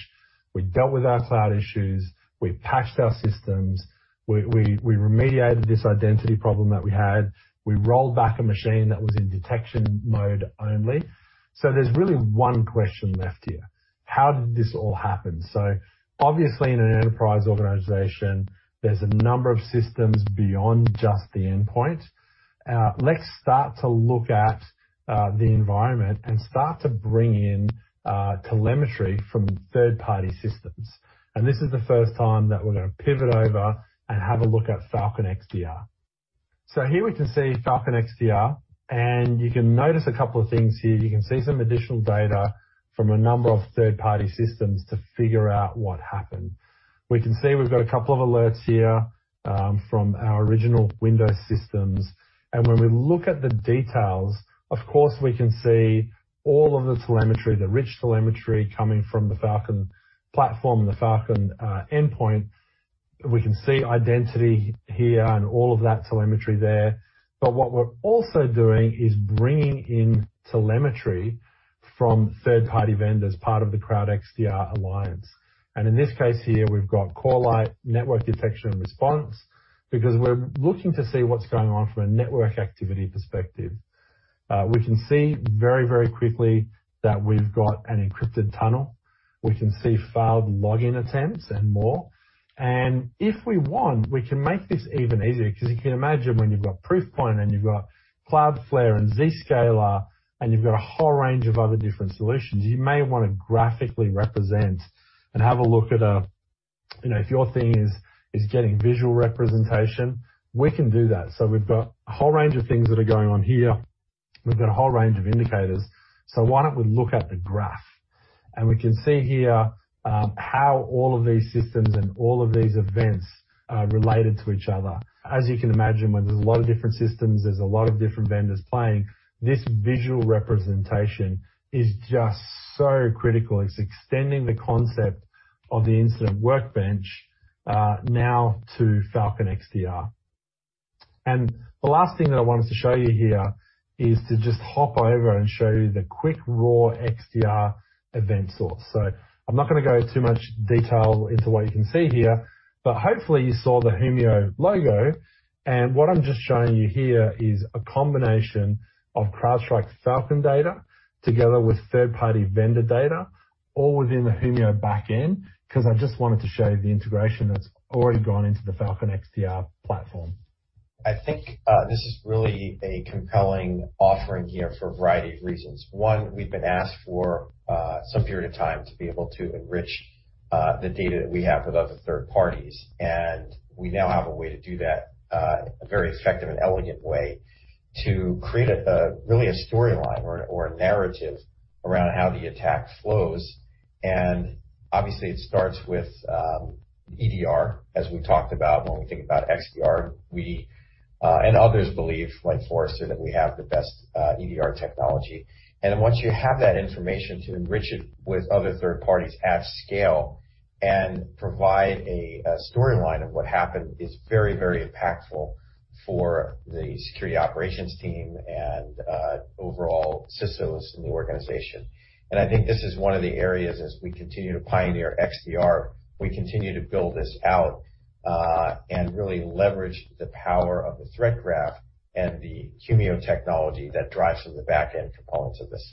We've dealt with our cloud issues. We've patched our systems. We remediated this identity problem that we had. We rolled back a machine that was in detection mode only. There's really one question left here: How did this all happen? Obviously, in an enterprise organization, there's a number of systems beyond just the endpoint. Let's start to look at the environment and start to bring in telemetry from third-party systems. This is the first time that we're gonna pivot over and have a look at Falcon XDR. Here we can see Falcon XDR, and you can notice a couple of things here. You can see some additional data from a number of third-party systems to figure out what happened. We can see we've got a couple of alerts here from our original Windows systems. When we look at the details, of course, we can see all of the telemetry, the rich telemetry coming from the Falcon platform and the Falcon endpoint. We can see identity here and all of that telemetry there. What we're also doing is bringing in telemetry from third-party vendors, part of the CrowdXDR Alliance. In this case here, we've got Corelight network detection and response because we're looking to see what's going on from a network activity perspective. We can see very, very quickly that we've got an encrypted tunnel. We can see failed login attempts and more. If we want, we can make this even easier 'cause you can imagine when you've got Proofpoint and you've got Cloudflare and Zscaler, and you've got a whole range of other different solutions, you may wanna graphically represent and have a look at. You know, if your thing is getting visual representation, we can do that. We've got a whole range of things that are going on here. We've got a whole range of indicators. Why don't we look at the graph? We can see here how all of these systems and all of these events are related to each other. As you can imagine, when there's a lot of different systems, there's a lot of different vendors playing, this visual representation is just so critical. It's extending the concept of the incident workbench now to Falcon XDR. The last thing that I wanted to show you here is to just hop over and show you the quick raw XDR event source. So I'm not gonna go too much detail into what you can see here, but hopefully you saw the Humio logo. What I'm just showing you here is a combination of CrowdStrike's Falcon data together with third-party vendor data, all within the Humio back end, 'cause I just wanted to show you the integration that's already gone into the Falcon XDR platform. I think this is really a compelling offering here for a variety of reasons. One, we've been asked for some period of time to be able to enrich the data that we have with other third parties, and we now have a way to do that, a very effective and elegant way to create a really storyline or a narrative around how the attack flows. Obviously it starts with EDR, as we talked about when we think about XDR, we and others believe, like Forrester, that we have the best EDR technology. Once you have that information to enrich it with other third parties at scale and provide a storyline of what happened is very, very impactful for the security operations team and overall CISOs in the organization. I think this is one of the areas, as we continue to pioneer XDR, we continue to build this out, and really leverage the power of the Threat Graph and the Humio technology that drives from the back-end components of this.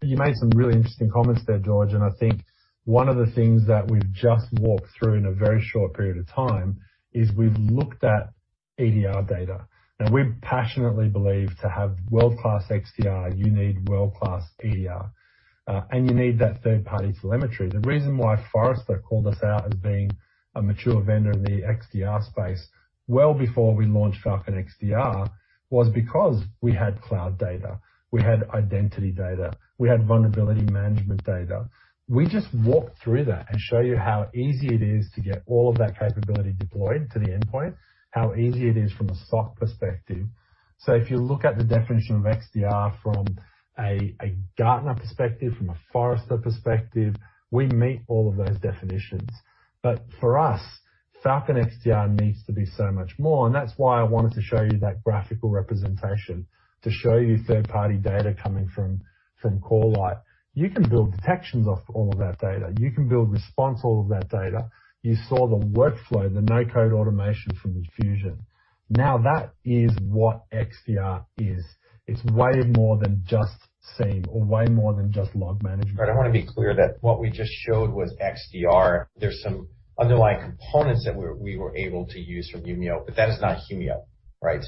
You made some really interesting comments there, George, and I think one of the things that we've just walked through in a very short period of time is we've looked at EDR data. Now we passionately believe to have world-class XDR, you need world-class EDR, and you need that third-party telemetry. The reason why Forrester called us out as being a mature vendor in the XDR space well before we launched Falcon XDR was because we had cloud data, we had identity data, we had vulnerability management data. We just walked through that and show you how easy it is to get all of that capability deployed to the endpoint, how easy it is from a SOC perspective. If you look at the definition of XDR from a Gartner perspective, from a Forrester perspective, we meet all of those definitions. For us, Falcon XDR needs to be so much more, and that's why I wanted to show you that graphical representation to show you third-party data coming from Corelight. You can build detections off all of that data. You can build response all of that data. You saw the workflow, the no-code automation from Fusion. Now that is what XDR is. It's way more than just SIEM or way more than just log management. I wanna be clear that what we just showed was XDR. There's some underlying components that we were able to use from Humio, but that is not Humio. Right?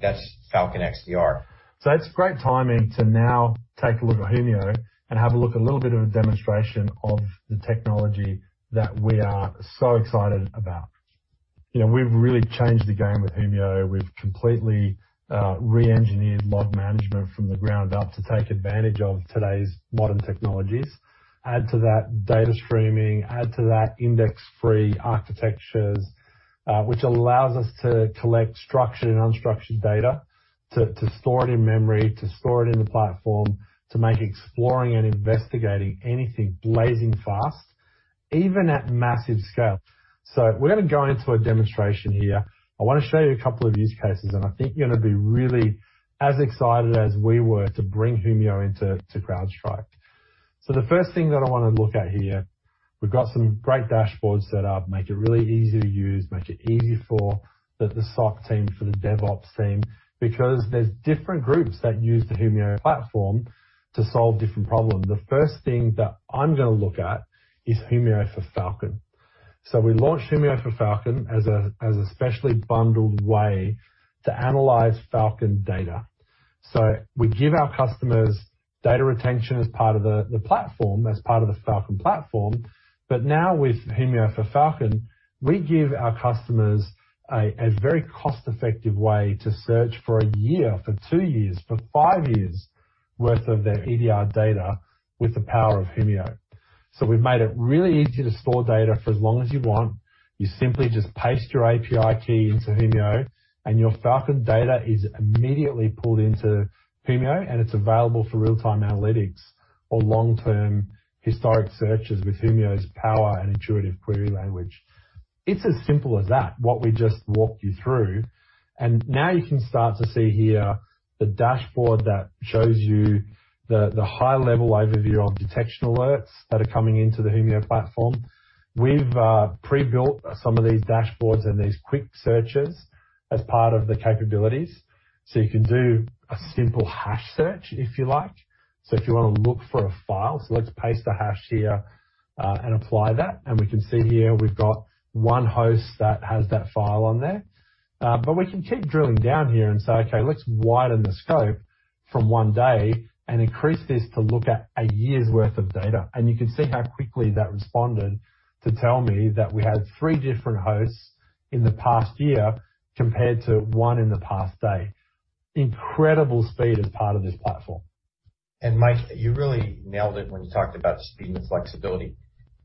That's Falcon XDR. It's great timing to now take a look at Humio and have a look a little bit of a demonstration of the technology that we are so excited about. You know, we've really changed the game with Humio. We've completely reengineered log management from the ground up to take advantage of today's modern technologies. Add to that data streaming, add to that index free architectures, which allows us to collect structured and unstructured data to store it in memory, to store it in the platform, to make exploring and investigating anything blazing fast, even at massive scale. We're gonna go into a demonstration here. I wanna show you a couple of use cases, and I think you're gonna be really as excited as we were to bring Humio into CrowdStrike. The first thing that I wanna look at here, we've got some great dashboards set up, make it really easy to use, make it easy for the SOC team, for the DevOps team, because there's different groups that use the Humio platform to solve different problems. The first thing that I'm gonna look at is Humio for Falcon. We launched Humio for Falcon as a specially bundled way to analyze Falcon data. We give our customers data retention as part of the platform, as part of the Falcon platform. Now with Humio for Falcon, we give our customers a very cost-effective way to search for a year, for two years, for five years worth of their EDR data with the power of Humio. We've made it really easy to store data for as long as you want. You simply just paste your API key into Humio, and your Falcon data is immediately pulled into Humio, and it's available for real-time analytics or long-term historic searches with Humio's power and intuitive query language. It's as simple as that, what we just walked you through. Now you can start to see here the dashboard that shows you the high level overview of detection alerts that are coming into the Humio platform. We've pre-built some of these dashboards and these quick searches as part of the capabilities, so you can do a simple hash search if you like. If you wanna look for a file, let's paste the hash here and apply that. We can see here we've got one host that has that file on there. We can keep drilling down here and say, "Okay, let's widen the scope from one day and increase this to look at a year's worth of data." You can see how quickly that responded to tell me that we had three different hosts in the past year compared to one in the past day. Incredible speed as part of this platform. Mike, you really nailed it when you talked about speed and flexibility.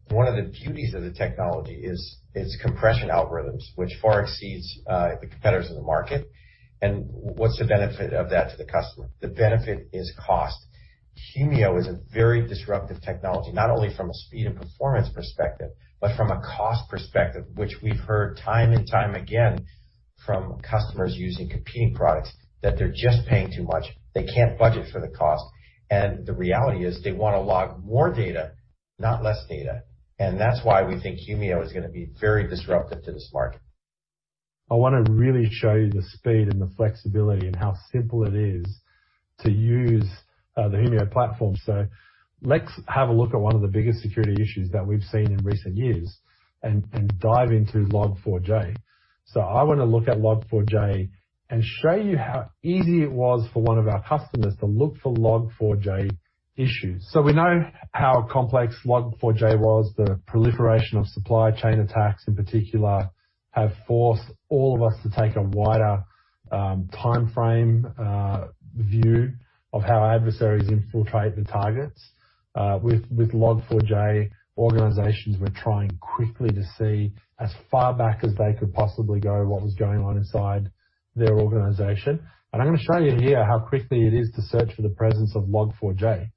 One of the beauties of the technology is compression algorithms, which far exceeds the competitors in the market. What's the benefit of that to the customer? The benefit is cost. Humio is a very disruptive technology, not only from a speed and performance perspective, but from a cost perspective, which we've heard time and time again from customers using competing products, that they're just paying too much. They can't budget for the cost. The reality is they wanna log more data, not less data. That's why we think Humio is gonna be very disruptive to this market. I wanna really show you the speed and the flexibility and how simple it is to use the Humio platform. Let's have a look at one of the biggest security issues that we've seen in recent years and dive into Log4j. I wanna look at Log4j and show you how easy it was for one of our customers to look for Log4j issues. We know how complex Log4j was, the proliferation of supply chain attacks in particular have forced all of us to take a wider timeframe view of how adversaries infiltrate the targets. With Log4j, organizations were trying quickly to see as far back as they could possibly go what was going on inside their organization. I'm gonna show you here how quickly it is to search for the presence of Log4j.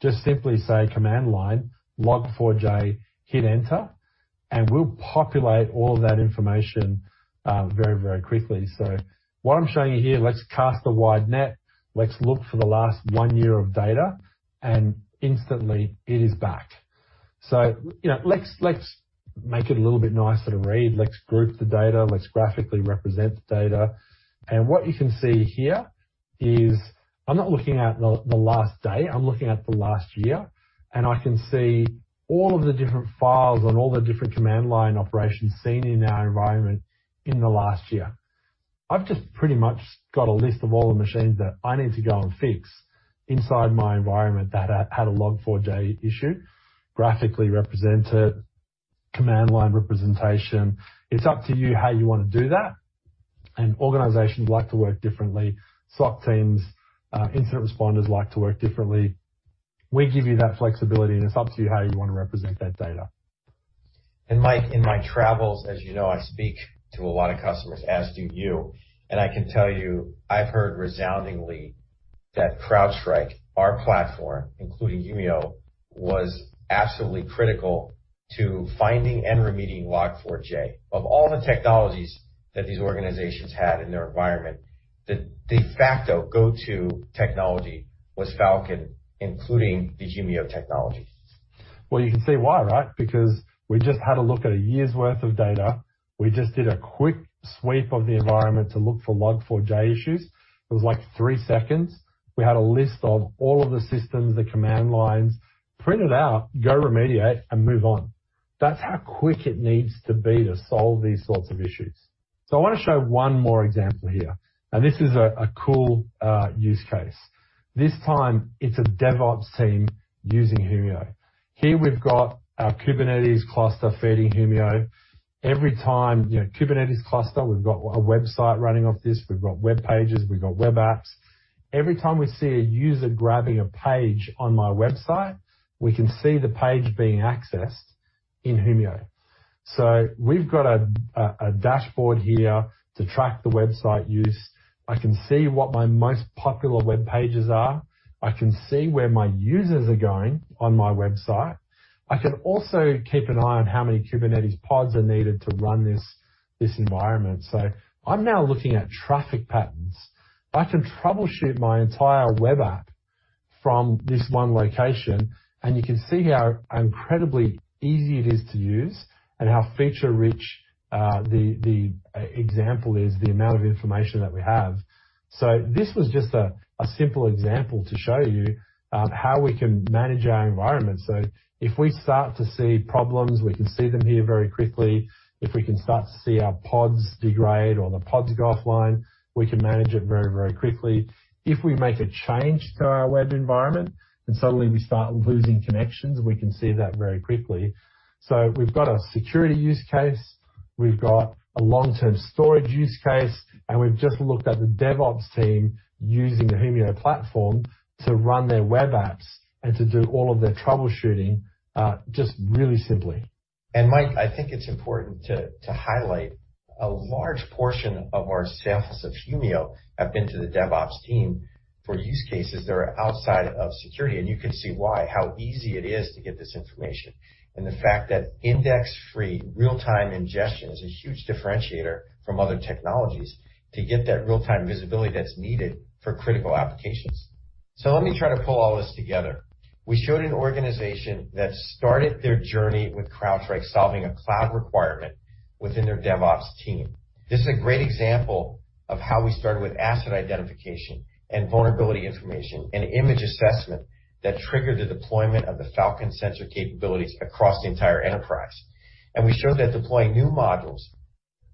Just simply say command line, Log4j, hit Enter, and we'll populate all of that information very, very quickly. What I'm showing you here, let's cast a wide net. Let's look for the last one year of data, and instantly it is back. You know, let's make it a little bit nicer to read. Let's group the data. Let's graphically represent the data. What you can see here is I'm not looking at the last day, I'm looking at the last year, and I can see all of the different files on all the different command line operations seen in our environment in the last year. I've just pretty much got a list of all the machines that I need to go and fix inside my environment that had a Log4j issue, graphically represented, command line representation. It's up to you how you wanna do that. Organizations like to work differently. SOC teams, incident responders like to work differently. We give you that flexibility, and it's up to you how you wanna represent that data. Mike, in my travels, as you know, I speak to a lot of customers, as do you. I can tell you, I've heard resoundingly that CrowdStrike, our platform, including Humio, was absolutely critical to finding and remedying Log4j. Of all the technologies that these organizations had in their environment, the de facto go-to technology was Falcon, including the Humio technology. You can see why, right? Because we just had a look at a year's worth of data. We just did a quick sweep of the environment to look for Log4j issues. It was like three seconds. We had a list of all of the systems, the command lines. Print it out, go remediate, and move on. That's how quick it needs to be to solve these sorts of issues. I wanna show one more example here. Now, this is a cool use case. This time it's a DevOps team using Humio. Here we've got our Kubernetes cluster feeding Humio. Every time you know, Kubernetes cluster, we've got a website running off this, we've got web pages, we've got web apps. Every time we see a user grabbing a page on my website, we can see the page being accessed in Humio. We've got a dashboard here to track the website use. I can see what my most popular web pages are. I can see where my users are going on my website. I can also keep an eye on how many Kubernetes pods are needed to run this environment. I'm now looking at traffic patterns. I can troubleshoot my entire web app from this one location, and you can see how incredibly easy it is to use and how feature-rich the example is, the amount of information that we have. This was just a simple example to show you how we can manage our environment. If we start to see problems, we can see them here very quickly. If we start to see our pods degrade or the pods go offline, we can manage it very quickly. If we make a change to our web environment, and suddenly we start losing connections, we can see that very quickly. We've got a security use case, we've got a long-term storage use case, and we've just looked at the DevOps team using the Humio platform to run their web apps and to do all of their troubleshooting, just really simply. Mike, I think it's important to highlight a large portion of our sales of Humio have been to the DevOps team for use cases that are outside of security, and you can see why, how easy it is to get this information. The fact that index-free real-time ingestion is a huge differentiator from other technologies to get that real-time visibility that's needed for critical applications. Let me try to pull all this together. We showed an organization that started their journey with CrowdStrike solving a cloud requirement within their DevOps team. This is a great example of how we started with asset identification and vulnerability information and image assessment that triggered the deployment of the Falcon sensor capabilities across the entire enterprise. We showed that deploying new modules,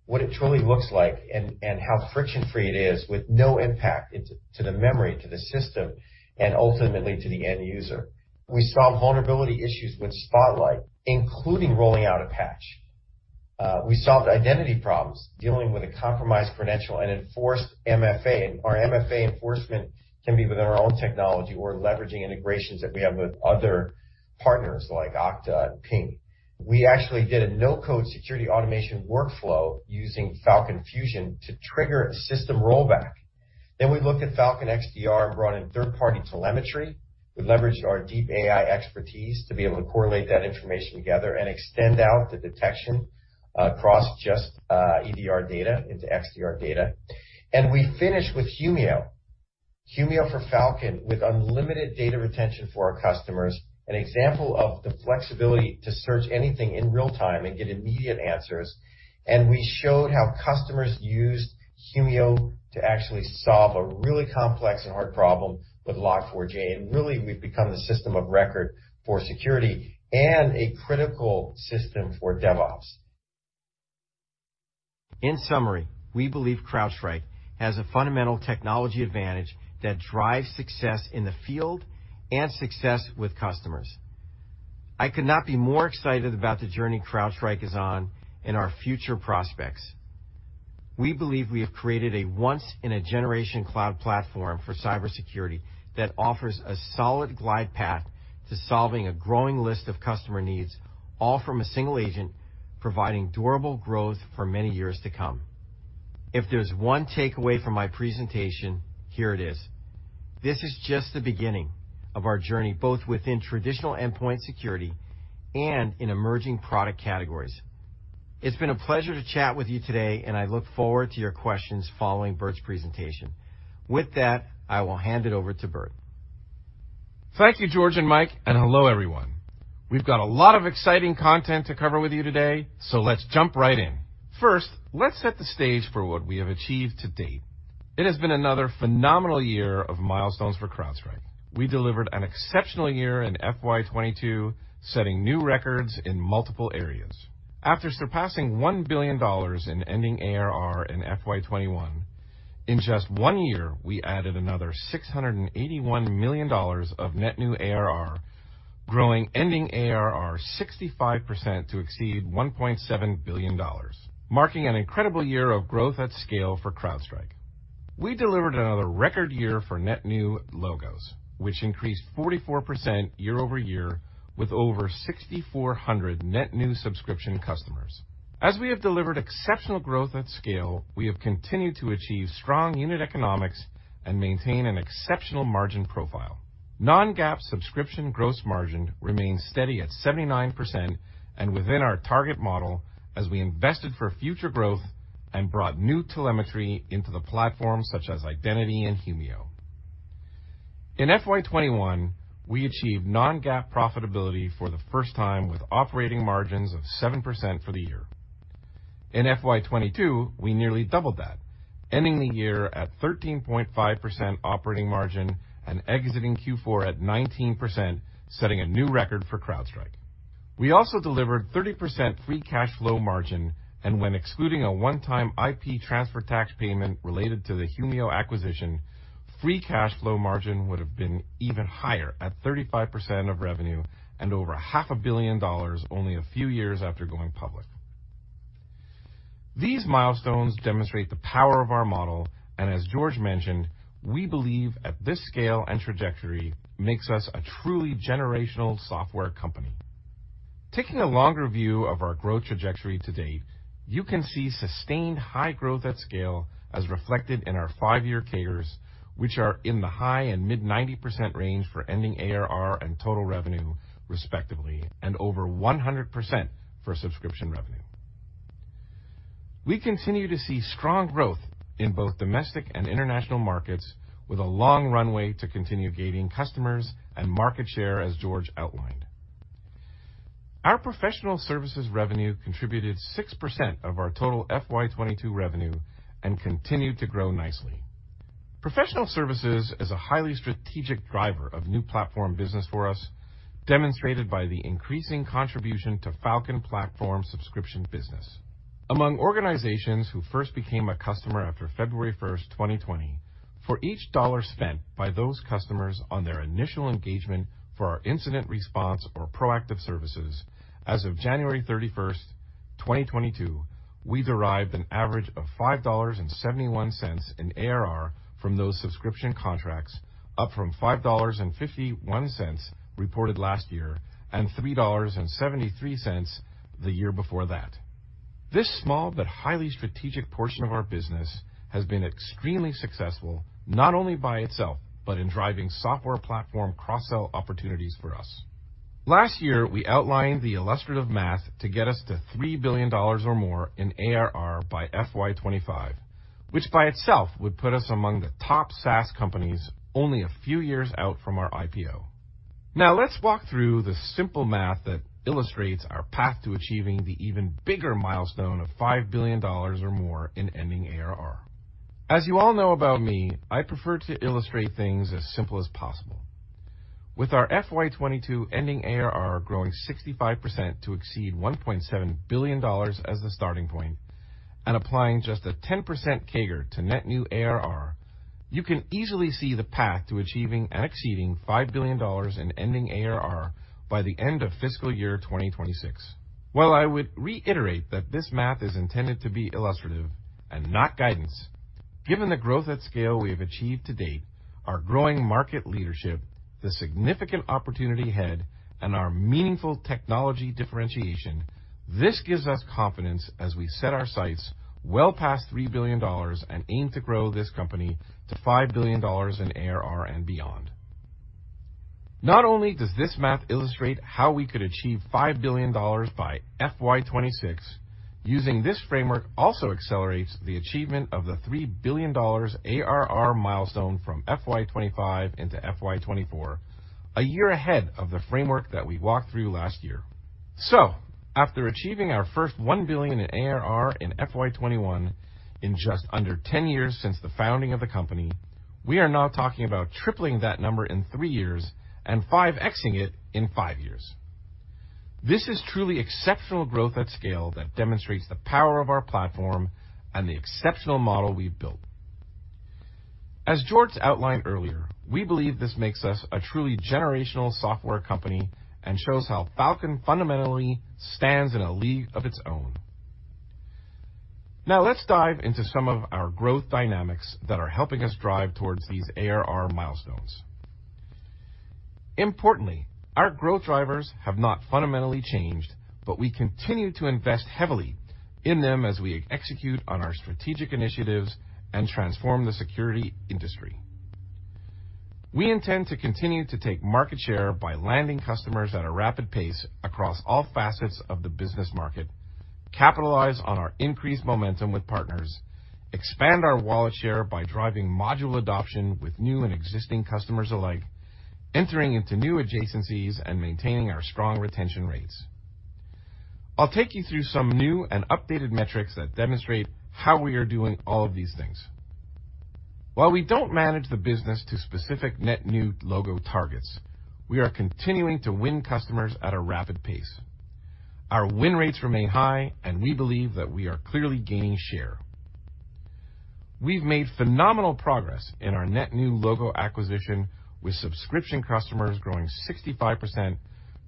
what it truly looks like and how friction-free it is with no impact to the memory, to the system, and ultimately to the end user. We solved vulnerability issues with Falcon Spotlight, including rolling out a patch. We solved identity problems dealing with a compromised credential and enforced MFA. Our MFA enforcement can be within our own technology or leveraging integrations that we have with other partners like Okta and Ping. We actually did a no-code security automation workflow using Falcon Fusion to trigger a system rollback. We looked at Falcon XDR and brought in third-party telemetry. We leveraged our deep AI expertise to be able to correlate that information together and extend out the detection across just EDR data into XDR data. We finished with Humio. Humio for Falcon with unlimited data retention for our customers, an example of the flexibility to search anything in real time and get immediate answers. We showed how customers used Humio to actually solve a really complex and hard problem with Log4j. Really, we've become the system of record for security and a critical system for DevOps. In summary, we believe CrowdStrike has a fundamental technology advantage that drives success in the field and success with customers. I could not be more excited about the journey CrowdStrike is on and our future prospects. We believe we have created a once in a generation cloud platform for cybersecurity that offers a solid glide path to solving a growing list of customer needs, all from a single agent, providing durable growth for many years to come. If there's one takeaway from my presentation, here it is. This is just the beginning of our journey, both within traditional endpoint security and in emerging product categories. It's been a pleasure to chat with you today, and I look forward to your questions following Burt's presentation. With that, I will hand it over to Burt. Thank you, George and Mike, and hello, everyone. We've got a lot of exciting content to cover with you today, so let's jump right in. First, let's set the stage for what we have achieved to date. It has been another phenomenal year of milestones for CrowdStrike. We delivered an exceptional year in FY 2022, setting new records in multiple areas. After surpassing $1 billion in ending ARR in FY 2021, in just one year, we added another $681 million of net new ARR, growing ending ARR 65% to exceed $1.7 billion, marking an incredible year of growth at scale for CrowdStrike. We delivered another record year for net new logos, which increased 44% year-over-year with over 6,400 net new subscription customers. As we have delivered exceptional growth at scale, we have continued to achieve strong unit economics and maintain an exceptional margin profile. Non-GAAP subscription gross margin remains steady at 79% and within our target model as we invested for future growth and brought new telemetry into the platform such as Identity and Humio. In FY 2021, we achieved non-GAAP profitability for the first time with operating margins of 7% for the year. In FY 2022, we nearly doubled that, ending the year at 13.5% operating margin and exiting Q4 at 19%, setting a new record for CrowdStrike. We also delivered 30% free cash flow margin, and when excluding a one-time IP transfer tax payment related to the Humio acquisition, free cash flow margin would have been even higher at 35% of revenue and over $500 million only a few years after going public. These milestones demonstrate the power of our model, and as George mentioned, we believe at this scale and trajectory makes us a truly generational software company. Taking a longer view of our growth trajectory to date, you can see sustained high growth at scale as reflected in our five-year CAGRs, which are in the high- and mid-90% range for ending ARR and total revenue, respectively, and over 100% for subscription revenue. We continue to see strong growth in both domestic and international markets with a long runway to continue gaining customers and market share as George outlined. Our professional services revenue contributed 6% of our total FY 2022 revenue and continued to grow nicely. Professional services is a highly strategic driver of new platform business for us, demonstrated by the increasing contribution to Falcon platform subscription business. Among organizations who first became a customer after February 1, 2020, for each dollar spent by those customers on their initial engagement for our incident response or proactive services, as of January 31, 2022, we derived an average of $5.71 in ARR from those subscription contracts, up from $5.51 reported last year and $3.73 the year before that. This small but highly strategic portion of our business has been extremely successful, not only by itself, but in driving software platform cross-sell opportunities for us. Last year, we outlined the illustrative math to get us to $3 billion or more in ARR by FY 2025, which by itself would put us among the top SaaS companies only a few years out from our IPO. Now let's walk through the simple math that illustrates our path to achieving the even bigger milestone of $5 billion or more in ending ARR. As you all know about me, I prefer to illustrate things as simple as possible. With our FY 2022 ending ARR growing 65% to exceed $1.7 billion as the starting point and applying just a 10% CAGR to net new ARR, you can easily see the path to achieving and exceeding $5 billion in ending ARR by the end of fiscal year 2026. While I would reiterate that this math is intended to be illustrative and not guidance, given the growth at scale we have achieved to date, our growing market leadership, the significant opportunity ahead, and our meaningful technology differentiation, this gives us confidence as we set our sights well past $3 billion and aim to grow this company to $5 billion in ARR and beyond. Not only does this math illustrate how we could achieve $5 billion by FY 2026, using this framework also accelerates the achievement of the $3 billion ARR milestone from FY 2025 into FY 2024, a year ahead of the framework that we walked through last year. After achieving our first $1 billion in ARR in FY 2021 in just under 10 years since the founding of the company, we are now talking about tripling that number in three years and 5x'ing it in five years. This is truly exceptional growth at scale that demonstrates the power of our platform and the exceptional model we've built. As George outlined earlier, we believe this makes us a truly generational software company and shows how Falcon fundamentally stands in a league of its own. Now let's dive into some of our growth dynamics that are helping us drive towards these ARR milestones. Importantly, our growth drivers have not fundamentally changed, but we continue to invest heavily in them as we execute on our strategic initiatives and transform the security industry. We intend to continue to take market share by landing customers at a rapid pace across all facets of the business market, capitalize on our increased momentum with partners, expand our wallet share by driving module adoption with new and existing customers alike, entering into new adjacencies, and maintaining our strong retention rates. I'll take you through some new and updated metrics that demonstrate how we are doing all of these things. While we don't manage the business to specific net new logo targets, we are continuing to win customers at a rapid pace. Our win rates remain high, and we believe that we are clearly gaining share. We've made phenomenal progress in our net new logo acquisition, with subscription customers growing 65%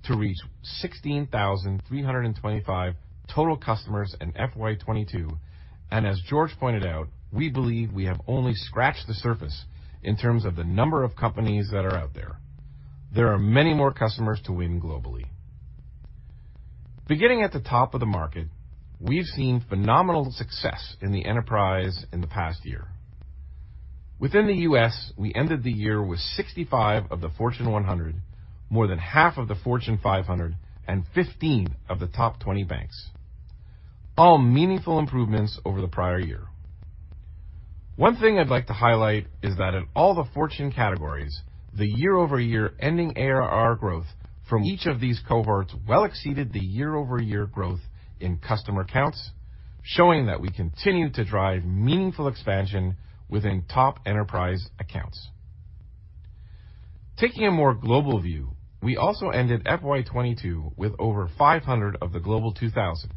to reach 16,325 total customers in FY 2022. As George pointed out, we believe we have only scratched the surface in terms of the number of companies that are out there. There are many more customers to win globally. Beginning at the top of the market, we've seen phenomenal success in the enterprise in the past year. Within the U.S., we ended the year with 65 of the Fortune 100, more than half of the Fortune 500, and 15 of the top 20 banks, all meaningful improvements over the prior year. One thing I'd like to highlight is that in all the Fortune categories, the year-over-year ending ARR growth from each of these cohorts well exceeded the year-over-year growth in customer counts, showing that we continue to drive meaningful expansion within top enterprise accounts. Taking a more global view, we also ended FY 2022 with over 500 of the Global 2000,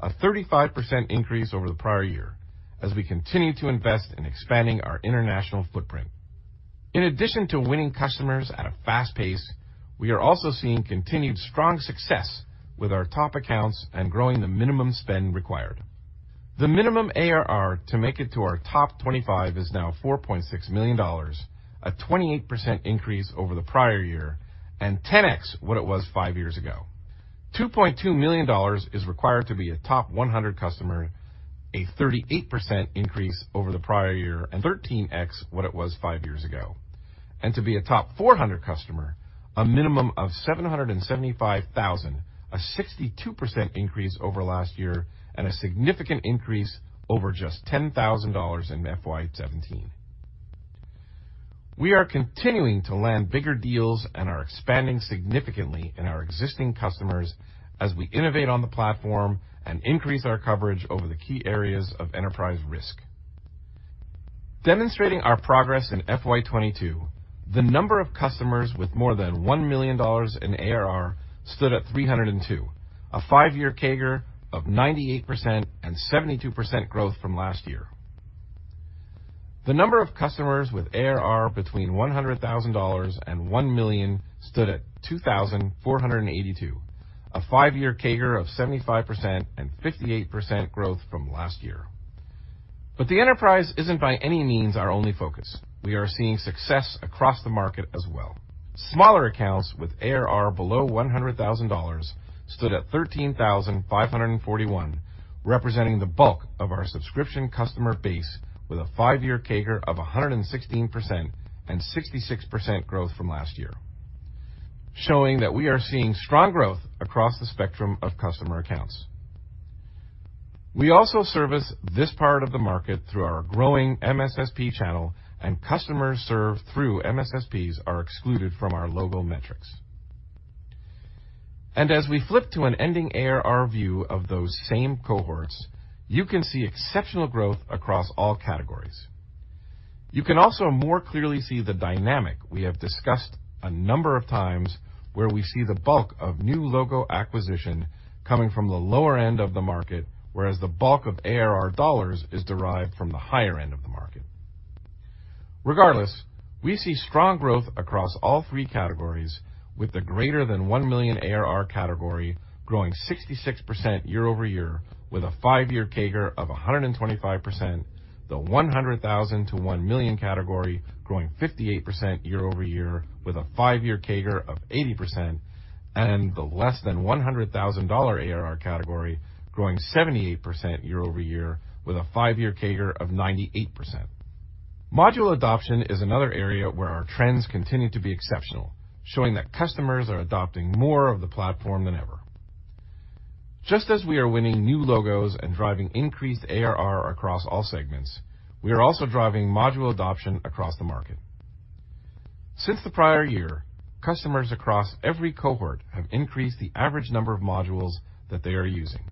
a 35% increase over the prior year as we continue to invest in expanding our international footprint. In addition to winning customers at a fast pace, we are also seeing continued strong success with our top accounts and growing the minimum spend required. The minimum ARR to make it to our top 25 is now $4.6 million, a 28% increase over the prior year and 10x what it was five years ago. $2.2 million is required to be a top 100 customer, a 38% increase over the prior year, and 13x what it was five years ago. To be a top 400 customer, a minimum of $775,000, a 62% increase over last year and a significant increase over just $10,000 in FY 2017. We are continuing to land bigger deals and are expanding significantly in our existing customers as we innovate on the platform and increase our coverage over the key areas of enterprise risk. Demonstrating our progress in FY 2022, the number of customers with more than $1 million in ARR stood at 302, a five-year CAGR of 98% and 72% growth from last year. The number of customers with ARR between $100,000 and $1 million stood at 2,482, a 5-year CAGR of 75% and 58% growth from last year. The enterprise isn't by any means our only focus. We are seeing success across the market as well. Smaller accounts with ARR below $100,000 stood at 13,541, representing the bulk of our subscription customer base with a five-year CAGR of 116% and 66% growth from last year, showing that we are seeing strong growth across the spectrum of customer accounts. We also service this part of the market through our growing MSSP channel, and customers served through MSSPs are excluded from our logo metrics. As we flip to an ending ARR view of those same cohorts, you can see exceptional growth across all categories. You can also more clearly see the dynamic we have discussed a number of times, where we see the bulk of new logo acquisition coming from the lower end of the market, whereas the bulk of ARR dollars is derived from the higher end of the market. Regardless, we see strong growth across all three categories, with the greater than $1 million ARR category growing 66% year-over-year with a five-year CAGR of 125%, the 100,000 to 1 million category growing 58% year-over-year with a five-year CAGR of 80%, and the less than $100,000 ARR category growing 78% year-over-year with a five-year CAGR of 98%. Module adoption is another area where our trends continue to be exceptional, showing that customers are adopting more of the platform than ever. Just as we are winning new logos and driving increased ARR across all segments, we are also driving module adoption across the market. Since the prior year, customers across every cohort have increased the average number of modules that they are using,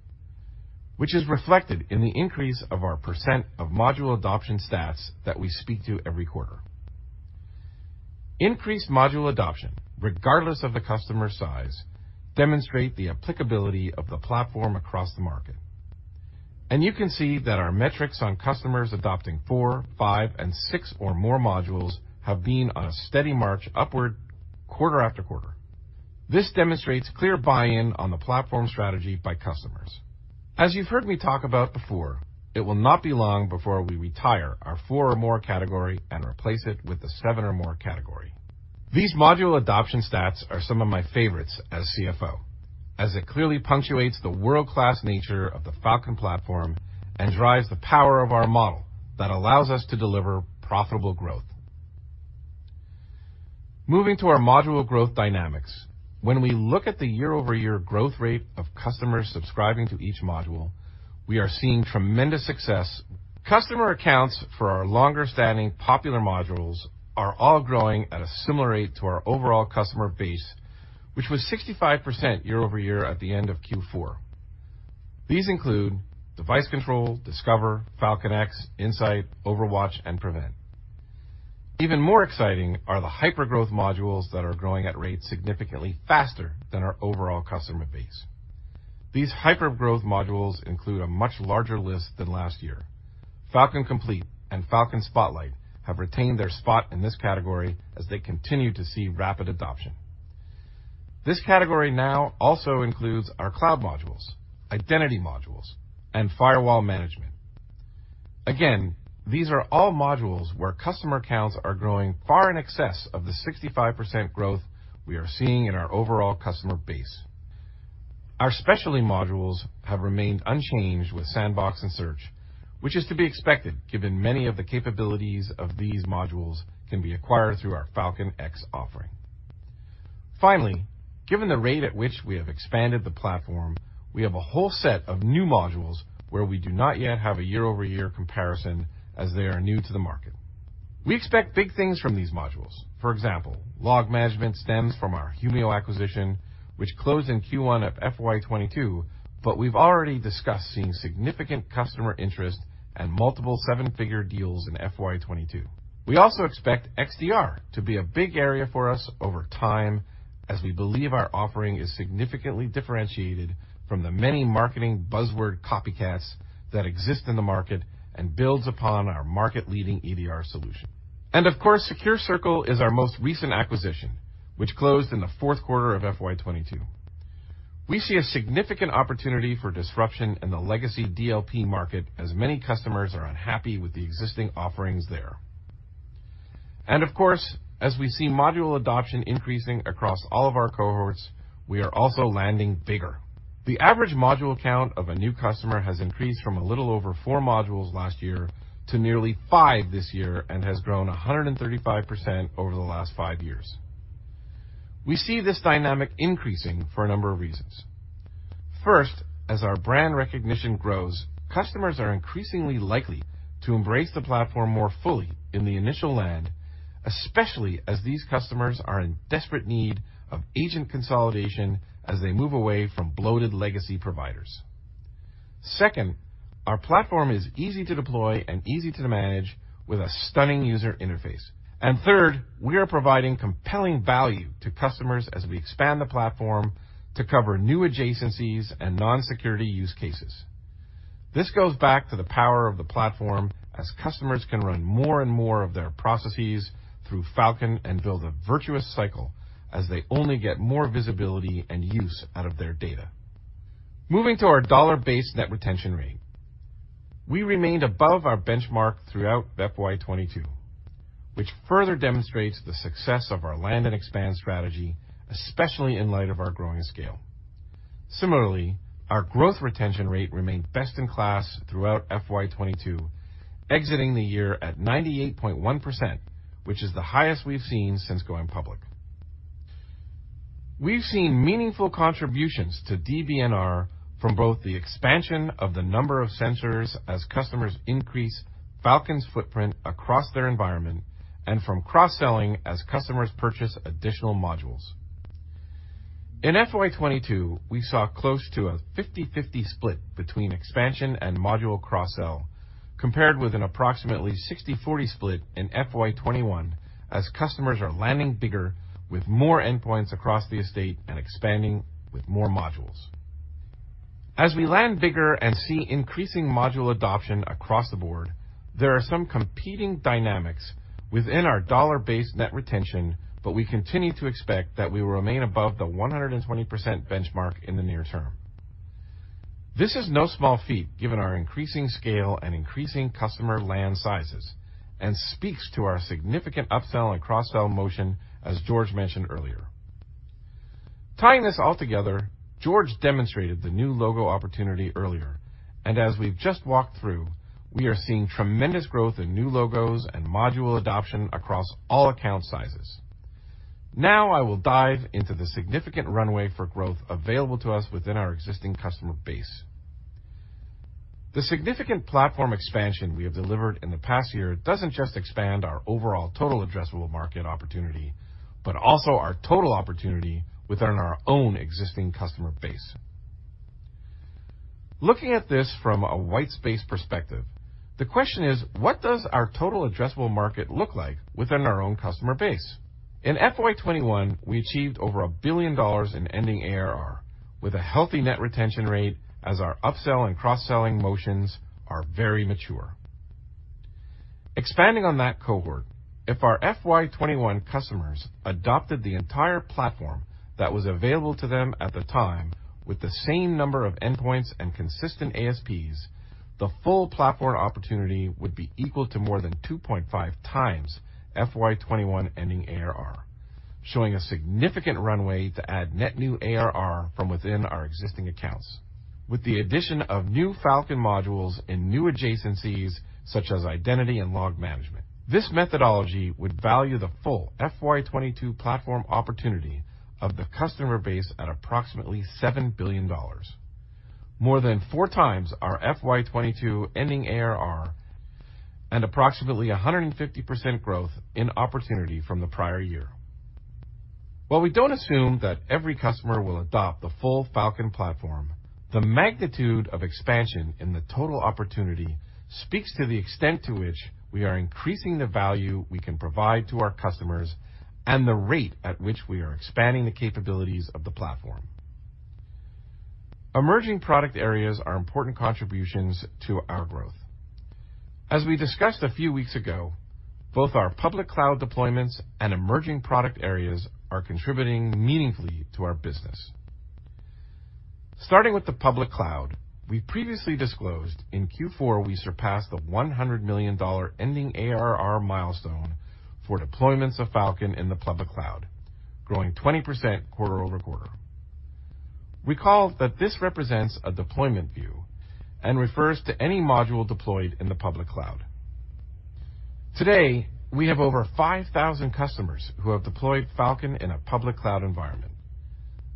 which is reflected in the increase of our percent of module adoption stats that we speak to every quarter. Increased module adoption, regardless of the customer size, demonstrate the applicability of the platform across the market. You can see that our metrics on customers adopting four, five, and six or more modules have been on a steady march upward quarter after quarter. This demonstrates clear buy-in on the platform strategy by customers. As you've heard me talk about before, it will not be long before we retire our four or more category and replace it with the seven or more category. These module adoption stats are some of my favorites as CFO, as it clearly punctuates the world-class nature of the Falcon platform and drives the power of our model that allows us to deliver profitable growth. Moving to our module growth dynamics, when we look at the year-over-year growth rate of customers subscribing to each module, we are seeing tremendous success. Customer accounts for our longer standing popular modules are all growing at a similar rate to our overall customer base, which was 65% year-over-year at the end of Q4. These include Device Control, Discover, Falcon X, Insight, OverWatch, and Prevent. Even more exciting are the hyper-growth modules that are growing at rates significantly faster than our overall customer base. These hyper-growth modules include a much larger list than last year. Falcon Complete and Falcon Spotlight have retained their spot in this category as they continue to see rapid adoption. This category now also includes our cloud modules, identity modules, and firewall management. Again, these are all modules where customer counts are growing far in excess of the 65% growth we are seeing in our overall customer base. Our specialty modules have remained unchanged with Sandbox and Search, which is to be expected given many of the capabilities of these modules can be acquired through our Falcon X offering. Finally, given the rate at which we have expanded the platform, we have a whole set of new modules where we do not yet have a year-over-year comparison as they are new to the market. We expect big things from these modules. For example, Log Management stems from our Humio acquisition, which closed in Q1 of FY 2022, but we've already discussed seeing significant customer interest and multiple seven-figure deals in FY 2022. We also expect XDR to be a big area for us over time, as we believe our offering is significantly differentiated from the many marketing buzzword copycats that exist in the market and builds upon our market-leading EDR solution. Of course, SecureCircle is our most recent acquisition, which closed in the fourth quarter of FY 2022. We see a significant opportunity for disruption in the legacy DLP market as many customers are unhappy with the existing offerings there. Of course, as we see module adoption increasing across all of our cohorts, we are also landing bigger. The average module count of a new customer has increased from a little over four modules last year to nearly five this year, and has grown 135% over the last five years. We see this dynamic increasing for a number of reasons. First, as our brand recognition grows, customers are increasingly likely to embrace the platform more fully in the initial land, especially as these customers are in desperate need of agent consolidation as they move away from bloated legacy providers. Second, our platform is easy to deploy and easy to manage with a stunning user interface. Third, we are providing compelling value to customers as we expand the platform to cover new adjacencies and non-security use cases. This goes back to the power of the platform as customers can run more and more of their processes through Falcon and build a virtuous cycle as they only get more visibility and use out of their data. Moving to our dollar-based net retention rate. We remained above our benchmark throughout FY 2022, which further demonstrates the success of our land and expand strategy, especially in light of our growing scale. Similarly, our growth retention rate remained best in class throughout FY 2022, exiting the year at 98.1%, which is the highest we've seen since going public. We've seen meaningful contributions to DBNR from both the expansion of the number of sensors as customers increase Falcon's footprint across their environment and from cross-selling as customers purchase additional modules. In FY 2022, we saw close to a 50/50 split between expansion and module cross-sell, compared with an approximately 60/40 split in FY 2021 as customers are landing bigger with more endpoints across the estate and expanding with more modules. As we land bigger and see increasing module adoption across the board, there are some competing dynamics within our dollar-based net retention, but we continue to expect that we will remain above the 120% benchmark in the near term. This is no small feat given our increasing scale and increasing customer land sizes, and speaks to our significant upsell and cross-sell motion, as George mentioned earlier. Tying this all together, George demonstrated the new logo opportunity earlier, and as we've just walked through, we are seeing tremendous growth in new logos and module adoption across all account sizes. Now I will dive into the significant runway for growth available to us within our existing customer base. The significant platform expansion we have delivered in the past year doesn't just expand our overall total addressable market opportunity, but also our total opportunity within our own existing customer base. Looking at this from a white space perspective, the question is, what does our total addressable market look like within our own customer base? In FY 2021, we achieved over $1 billion in ending ARR with a healthy net retention rate as our up-sell and cross-selling motions are very mature. Expanding on that cohort, if our FY 2021 customers adopted the entire platform that was available to them at the time with the same number of endpoints and consistent ASPs, the full platform opportunity would be equal to more than 2.5x FY 2021 ending ARR, showing a significant runway to add net new ARR from within our existing accounts. With the addition of new Falcon modules in new adjacencies such as identity and log management, this methodology would value the full FY 2022 platform opportunity of the customer base at approximately $7 billion. More than 4x our FY 2021 ending ARR and approximately 150% growth in opportunity from the prior year. While we don't assume that every customer will adopt the full Falcon platform, the magnitude of expansion in the total opportunity speaks to the extent to which we are increasing the value we can provide to our customers and the rate at which we are expanding the capabilities of the platform. Emerging product areas are important contributions to our growth. As we discussed a few weeks ago, both our public cloud deployments and emerging product areas are contributing meaningfully to our business. Starting with the public cloud, we previously disclosed in Q4. We surpassed the $100 million ending ARR milestone for deployments of Falcon in the public cloud, growing 20% quarter-over-quarter. Recall that this represents a deployment view and refers to any module deployed in the public cloud. Today, we have over 5,000 customers who have deployed Falcon in a public cloud environment.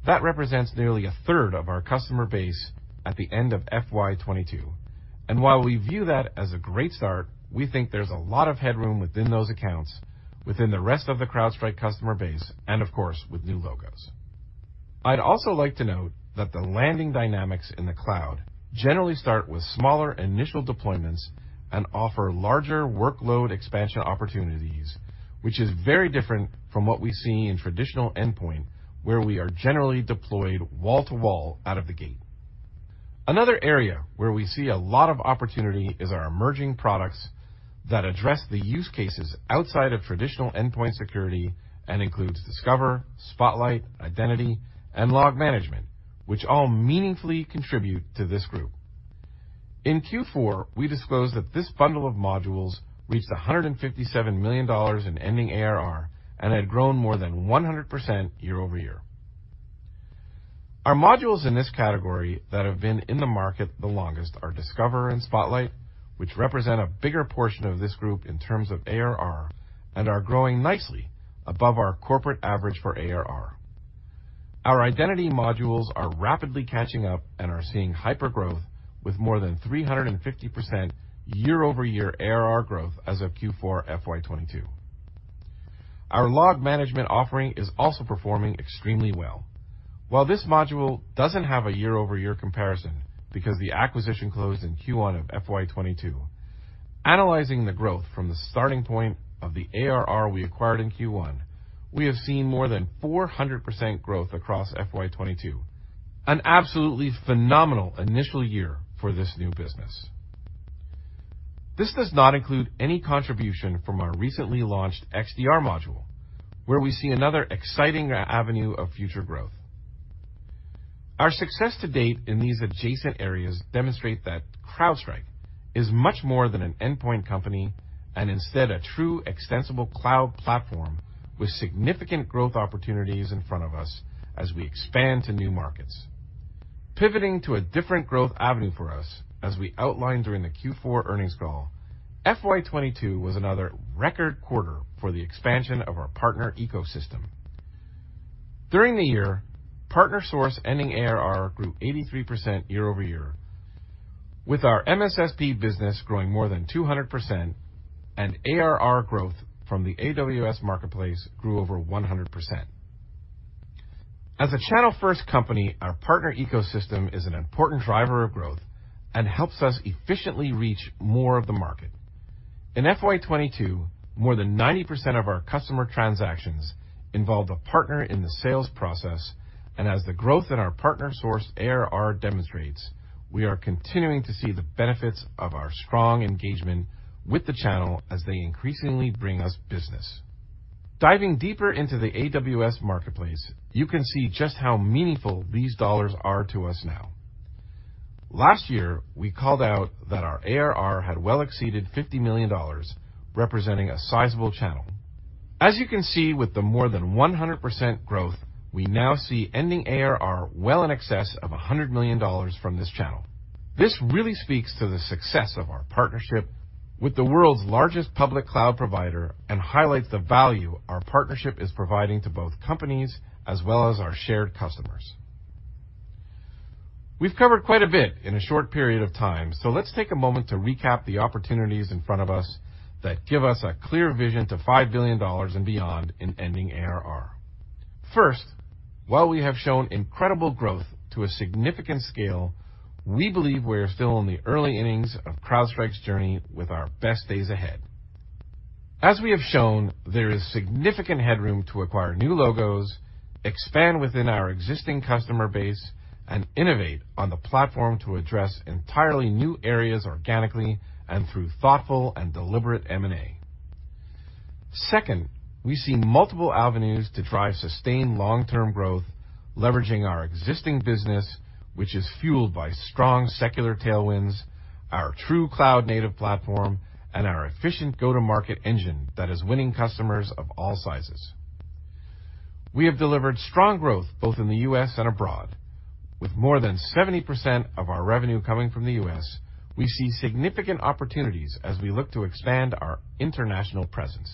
That represents nearly a third of our customer base at the end of FY 2022. While we view that as a great start, we think there's a lot of headroom within those accounts, within the rest of the CrowdStrike customer base, and of course, with new logos. I'd also like to note that the landing dynamics in the cloud generally start with smaller initial deployments and offer larger workload expansion opportunities, which is very different from what we see in traditional endpoint, where we are generally deployed wall-to-wall out of the gate. Another area where we see a lot of opportunity is our emerging products that address the use cases outside of traditional endpoint security and includes Discover, Spotlight, Identity, and Log Management, which all meaningfully contribute to this group. In Q4, we disclosed that this bundle of modules reached $157 million in ending ARR and had grown more than 100% year-over-year. Our modules in this category that have been in the market the longest are Discover and Spotlight, which represent a bigger portion of this group in terms of ARR and are growing nicely above our corporate average for ARR. Our identity modules are rapidly catching up and are seeing hypergrowth with more than 350% year-over-year ARR growth as of Q4 FY 2022. Our log management offering is also performing extremely well. While this module doesn't have a year-over-year comparison because the acquisition closed in Q1 of FY 2022, analyzing the growth from the starting point of the ARR we acquired in Q1, we have seen more than 400% growth across FY 2022, an absolutely phenomenal initial year for this new business. This does not include any contribution from our recently launched XDR module, where we see another exciting avenue of future growth. Our success to date in these adjacent areas demonstrate that CrowdStrike is much more than an endpoint company and instead a true extensible cloud platform with significant growth opportunities in front of us as we expand to new markets. Pivoting to a different growth avenue for us, as we outlined during the Q4 earnings call, FY 2022 was another record quarter for the expansion of our partner ecosystem. During the year, PartnerSource ending ARR grew 83% year-over-year, with our MSSP business growing more than 200% and ARR growth from the AWS marketplace grew over 100%. As a channel-first company, our partner ecosystem is an important driver of growth and helps us efficiently reach more of the market. In FY 2022, more than 90% of our customer transactions involved a partner in the sales process. As the growth in our PartnerSource ARR demonstrates, we are continuing to see the benefits of our strong engagement with the channel as they increasingly bring us business. Diving deeper into the AWS marketplace, you can see just how meaningful these dollars are to us now. Last year, we called out that our ARR had well exceeded $50 million, representing a sizable channel. As you can see with the more than 100% growth, we now see ending ARR well in excess of $100 million from this channel. This really speaks to the success of our partnership with the world's largest public cloud provider and highlights the value our partnership is providing to both companies as well as our shared customers. We've covered quite a bit in a short period of time, so let's take a moment to recap the opportunities in front of us that give us a clear vision to $5 billion and beyond in ending ARR. First, while we have shown incredible growth to a significant scale, we believe we are still in the early innings of CrowdStrike's journey with our best days ahead. As we have shown, there is significant headroom to acquire new logos, expand within our existing customer base, and innovate on the platform to address entirely new areas organically and through thoughtful and deliberate M&A. Second, we see multiple avenues to drive sustained long-term growth, leveraging our existing business, which is fueled by strong secular tailwinds, our true cloud-native platform, and our efficient go-to-market engine that is winning customers of all sizes. We have delivered strong growth both in the U.S. and abroad. With more than 70% of our revenue coming from the U.S., we see significant opportunities as we look to expand our international presence.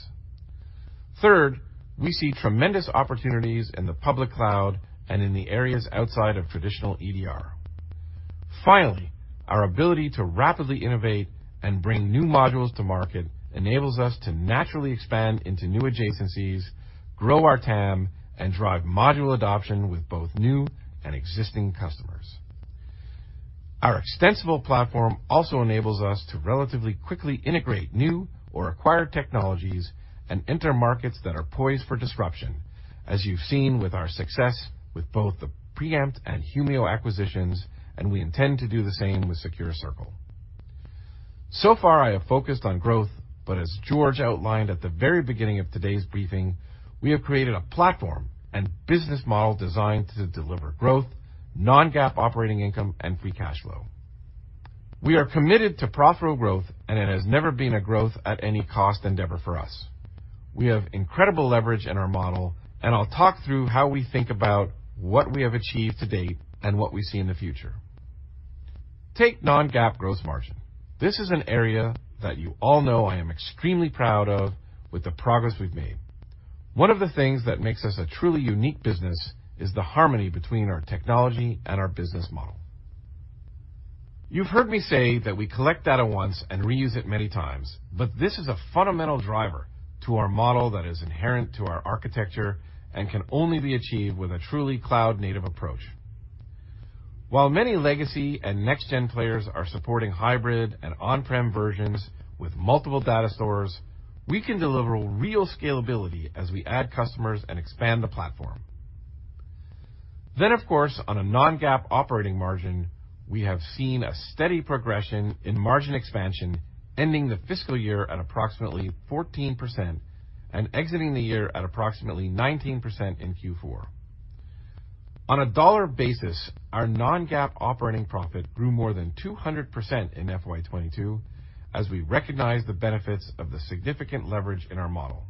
Third, we see tremendous opportunities in the public cloud and in the areas outside of traditional EDR. Finally, our ability to rapidly innovate and bring new modules to market enables us to naturally expand into new adjacencies, grow our TAM, and drive module adoption with both new and existing customers. Our extensible platform also enables us to relatively quickly integrate new or acquired technologies and enter markets that are poised for disruption, as you've seen with our success with both the Preempt and Humio acquisitions, and we intend to do the same with SecureCircle. So far, I have focused on growth, but as George Kurtz outlined at the very beginning of today's briefing, we have created a platform and business model designed to deliver growth, non-GAAP operating income, and free cash flow. We are committed to profitable growth, and it has never been a growth at any cost endeavor for us. We have incredible leverage in our model, and I'll talk through how we think about what we have achieved to date and what we see in the future. Take non-GAAP growth margin. This is an area that you all know I am extremely proud of with the progress we've made. One of the things that makes us a truly unique business is the harmony between our technology and our business model. You've heard me say that we collect data once and reuse it many times, but this is a fundamental driver to our model that is inherent to our architecture and can only be achieved with a truly cloud-native approach. While many legacy and next gen players are supporting hybrid and on-prem versions with multiple data stores, we can deliver real scalability as we add customers and expand the platform. Of course, on a non-GAAP operating margin, we have seen a steady progression in margin expansion, ending the fiscal year at approximately 14% and exiting the year at approximately 19% in Q4. On a dollar basis, our non-GAAP operating profit grew more than 200% in FY 2022 as we recognize the benefits of the significant leverage in our model.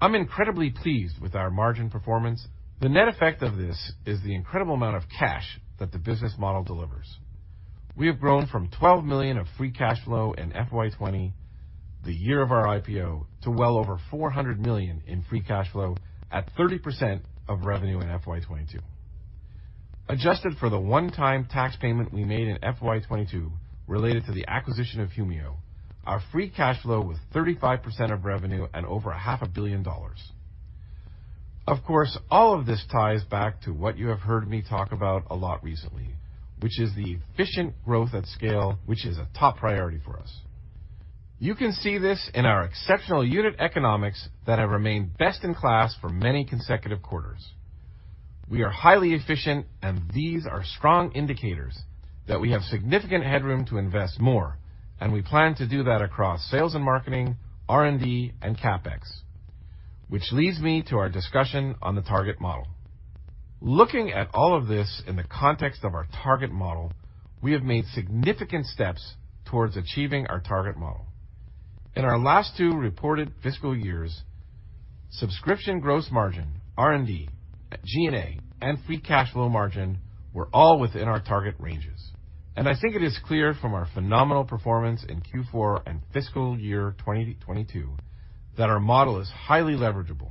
I'm incredibly pleased with our margin performance. The net effect of this is the incredible amount of cash that the business model delivers. We have grown from $12 million of free cash flow in FY 2020, the year of our IPO, to well over $400 million in free cash flow at 30% of revenue in FY 2022. Adjusted for the one-time tax payment we made in FY 2022 related to the acquisition of Humio, our free cash flow was 35% of revenue and over $0.5 billion. Of course, all of this ties back to what you have heard me talk about a lot recently, which is the efficient growth at scale, which is a top priority for us. You can see this in our exceptional unit economics that have remained best in class for many consecutive quarters. We are highly efficient, and these are strong indicators that we have significant headroom to invest more, and we plan to do that across sales and marketing, R&D, and CapEx. Which leads me to our discussion on the target model. Looking at all of this in the context of our target model, we have made significant steps towards achieving our target model. In our last two reported fiscal years, subscription gross margin, R&D, G&A, and free cash flow margin were all within our target ranges. I think it is clear from our phenomenal performance in Q4 and fiscal year 2022 that our model is highly leverageable.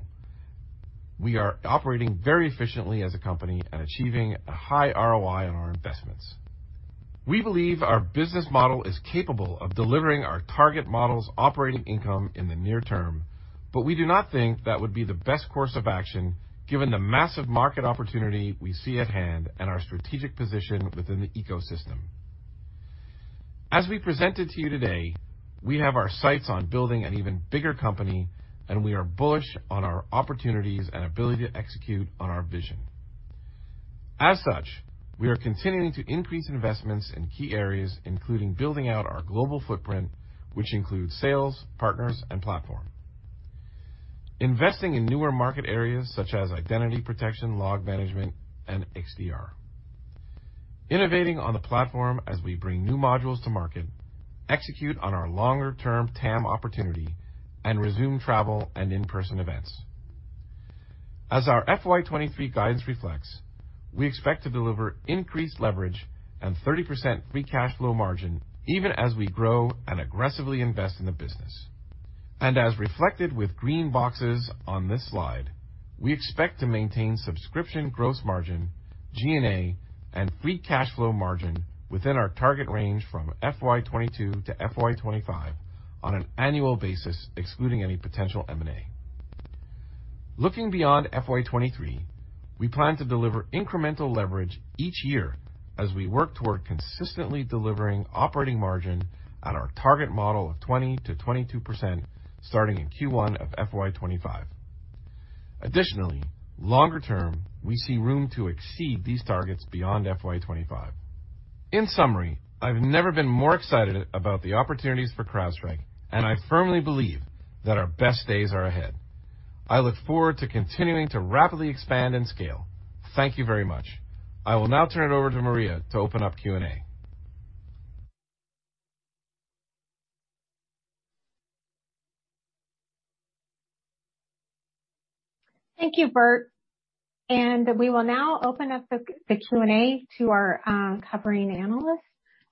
We are operating very efficiently as a company and achieving a high ROI on our investments. We believe our business model is capable of delivering our target model's operating income in the near term, but we do not think that would be the best course of action given the massive market opportunity we see at hand and our strategic position within the ecosystem. As we presented to you today, we have our sights on building an even bigger company, and we are bullish on our opportunities and ability to execute on our vision. As such, we are continuing to increase investments in key areas, including building out our global footprint, which includes sales, partners, and platform. Investing in newer market areas such as identity protection, log management, and XDR. Innovating on the platform as we bring new modules to market, execute on our longer-term TAM opportunity, and resume travel and in-person events. As our FY 2023 guidance reflects, we expect to deliver increased leverage and 30% free cash flow margin even as we grow and aggressively invest in the business. As reflected with green boxes on this slide, we expect to maintain subscription gross margin, G&A, and free cash flow margin within our target range from FY 2022 to FY 2025. On an annual basis, excluding any potential M&A. Looking beyond FY 2023, we plan to deliver incremental leverage each year as we work toward consistently delivering operating margin on our target model of 20%-22% starting in Q1 of FY 2025. Additionally, longer term, we see room to exceed these targets beyond FY 2025. In summary, I've never been more excited about the opportunities for CrowdStrike, and I firmly believe that our best days are ahead. I look forward to continuing to rapidly expand and scale. Thank you very much. I will now turn it over to Maria to open up Q&A. Thank you, Burt. We will now open up the Q&A to our covering analysts.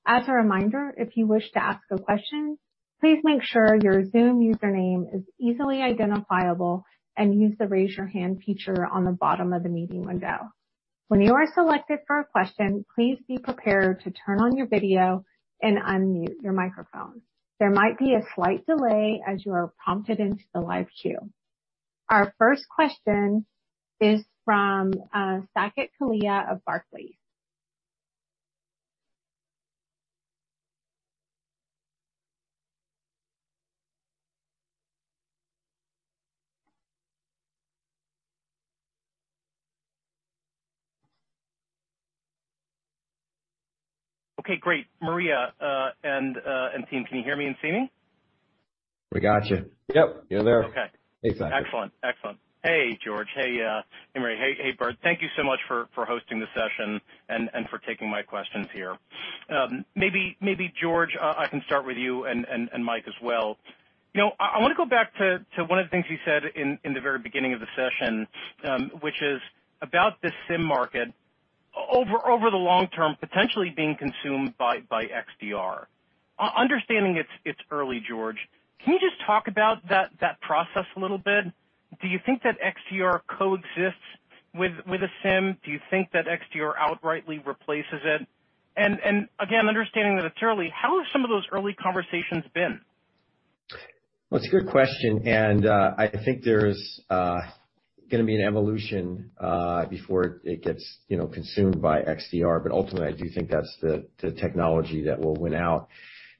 As a reminder, if you wish to ask a question, please make sure your Zoom username is easily identifiable and use the Raise Your Hand feature on the bottom of the meeting window. When you are selected for a question, please be prepared to turn on your video and unmute your microphone. There might be a slight delay as you are prompted into the live queue. Our first question is from Saket Kalia of Barclays. Okay, great. Maria, and team, can you hear me and see me? We got you. Yep, you're there. Okay. Hey, Saket. Excellent. Hey, George. Hey, Maria. Hey, Burt. Thank you so much for hosting this session and for taking my questions here. Maybe George, I can start with you and Mike as well. You know, I wanna go back to one of the things you said in the very beginning of the session, which is about the SIEM market over the long term potentially being consumed by XDR. Understanding it's early, George, can you just talk about that process a little bit? Do you think that XDR coexists with a SIEM? Do you think that XDR outrightly replaces it? And again, understanding that it's early, how have some of those early conversations been? Well, it's a good question, and I think there's gonna be an evolution before it gets, you know, consumed by XDR. Ultimately, I do think that's the technology that will win out.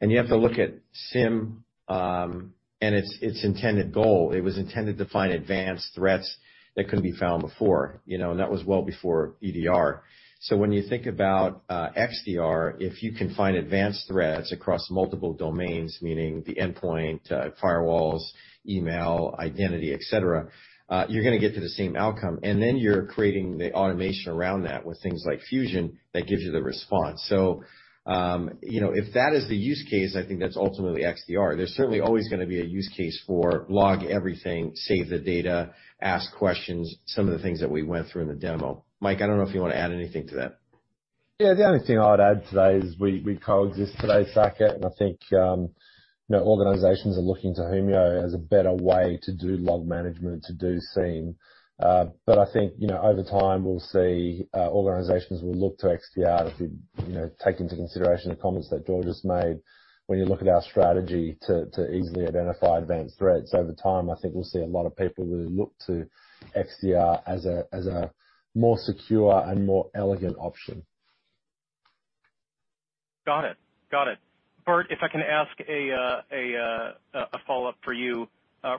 You have to look at SIEM and its intended goal. It was intended to find advanced threats that couldn't be found before, you know, and that was well before EDR. When you think about XDR, if you can find advanced threats across multiple domains, meaning the endpoint, firewalls, email, identity, et cetera, you're gonna get to the same outcome. Then you're creating the automation around that with things like Fusion that gives you the response. You know, if that is the use case, I think that's ultimately XDR. There's certainly always gonna be a use case for log everything, save the data, ask questions, some of the things that we went through in the demo. Mike, I don't know if you wanna add anything to that. Yeah. The only thing I would add today is we coexist today, Saket, and I think, you know, organizations are looking to Humio as a better way to do log management, to do SIEM. But I think, you know, over time, we'll see organizations will look to XDR if you know, take into consideration the comments that George has made when you look at our strategy to easily identify advanced threats. Over time, I think we'll see a lot of people really look to XDR as a more secure and more elegant option. Got it. Burt, if I can ask a follow-up for you.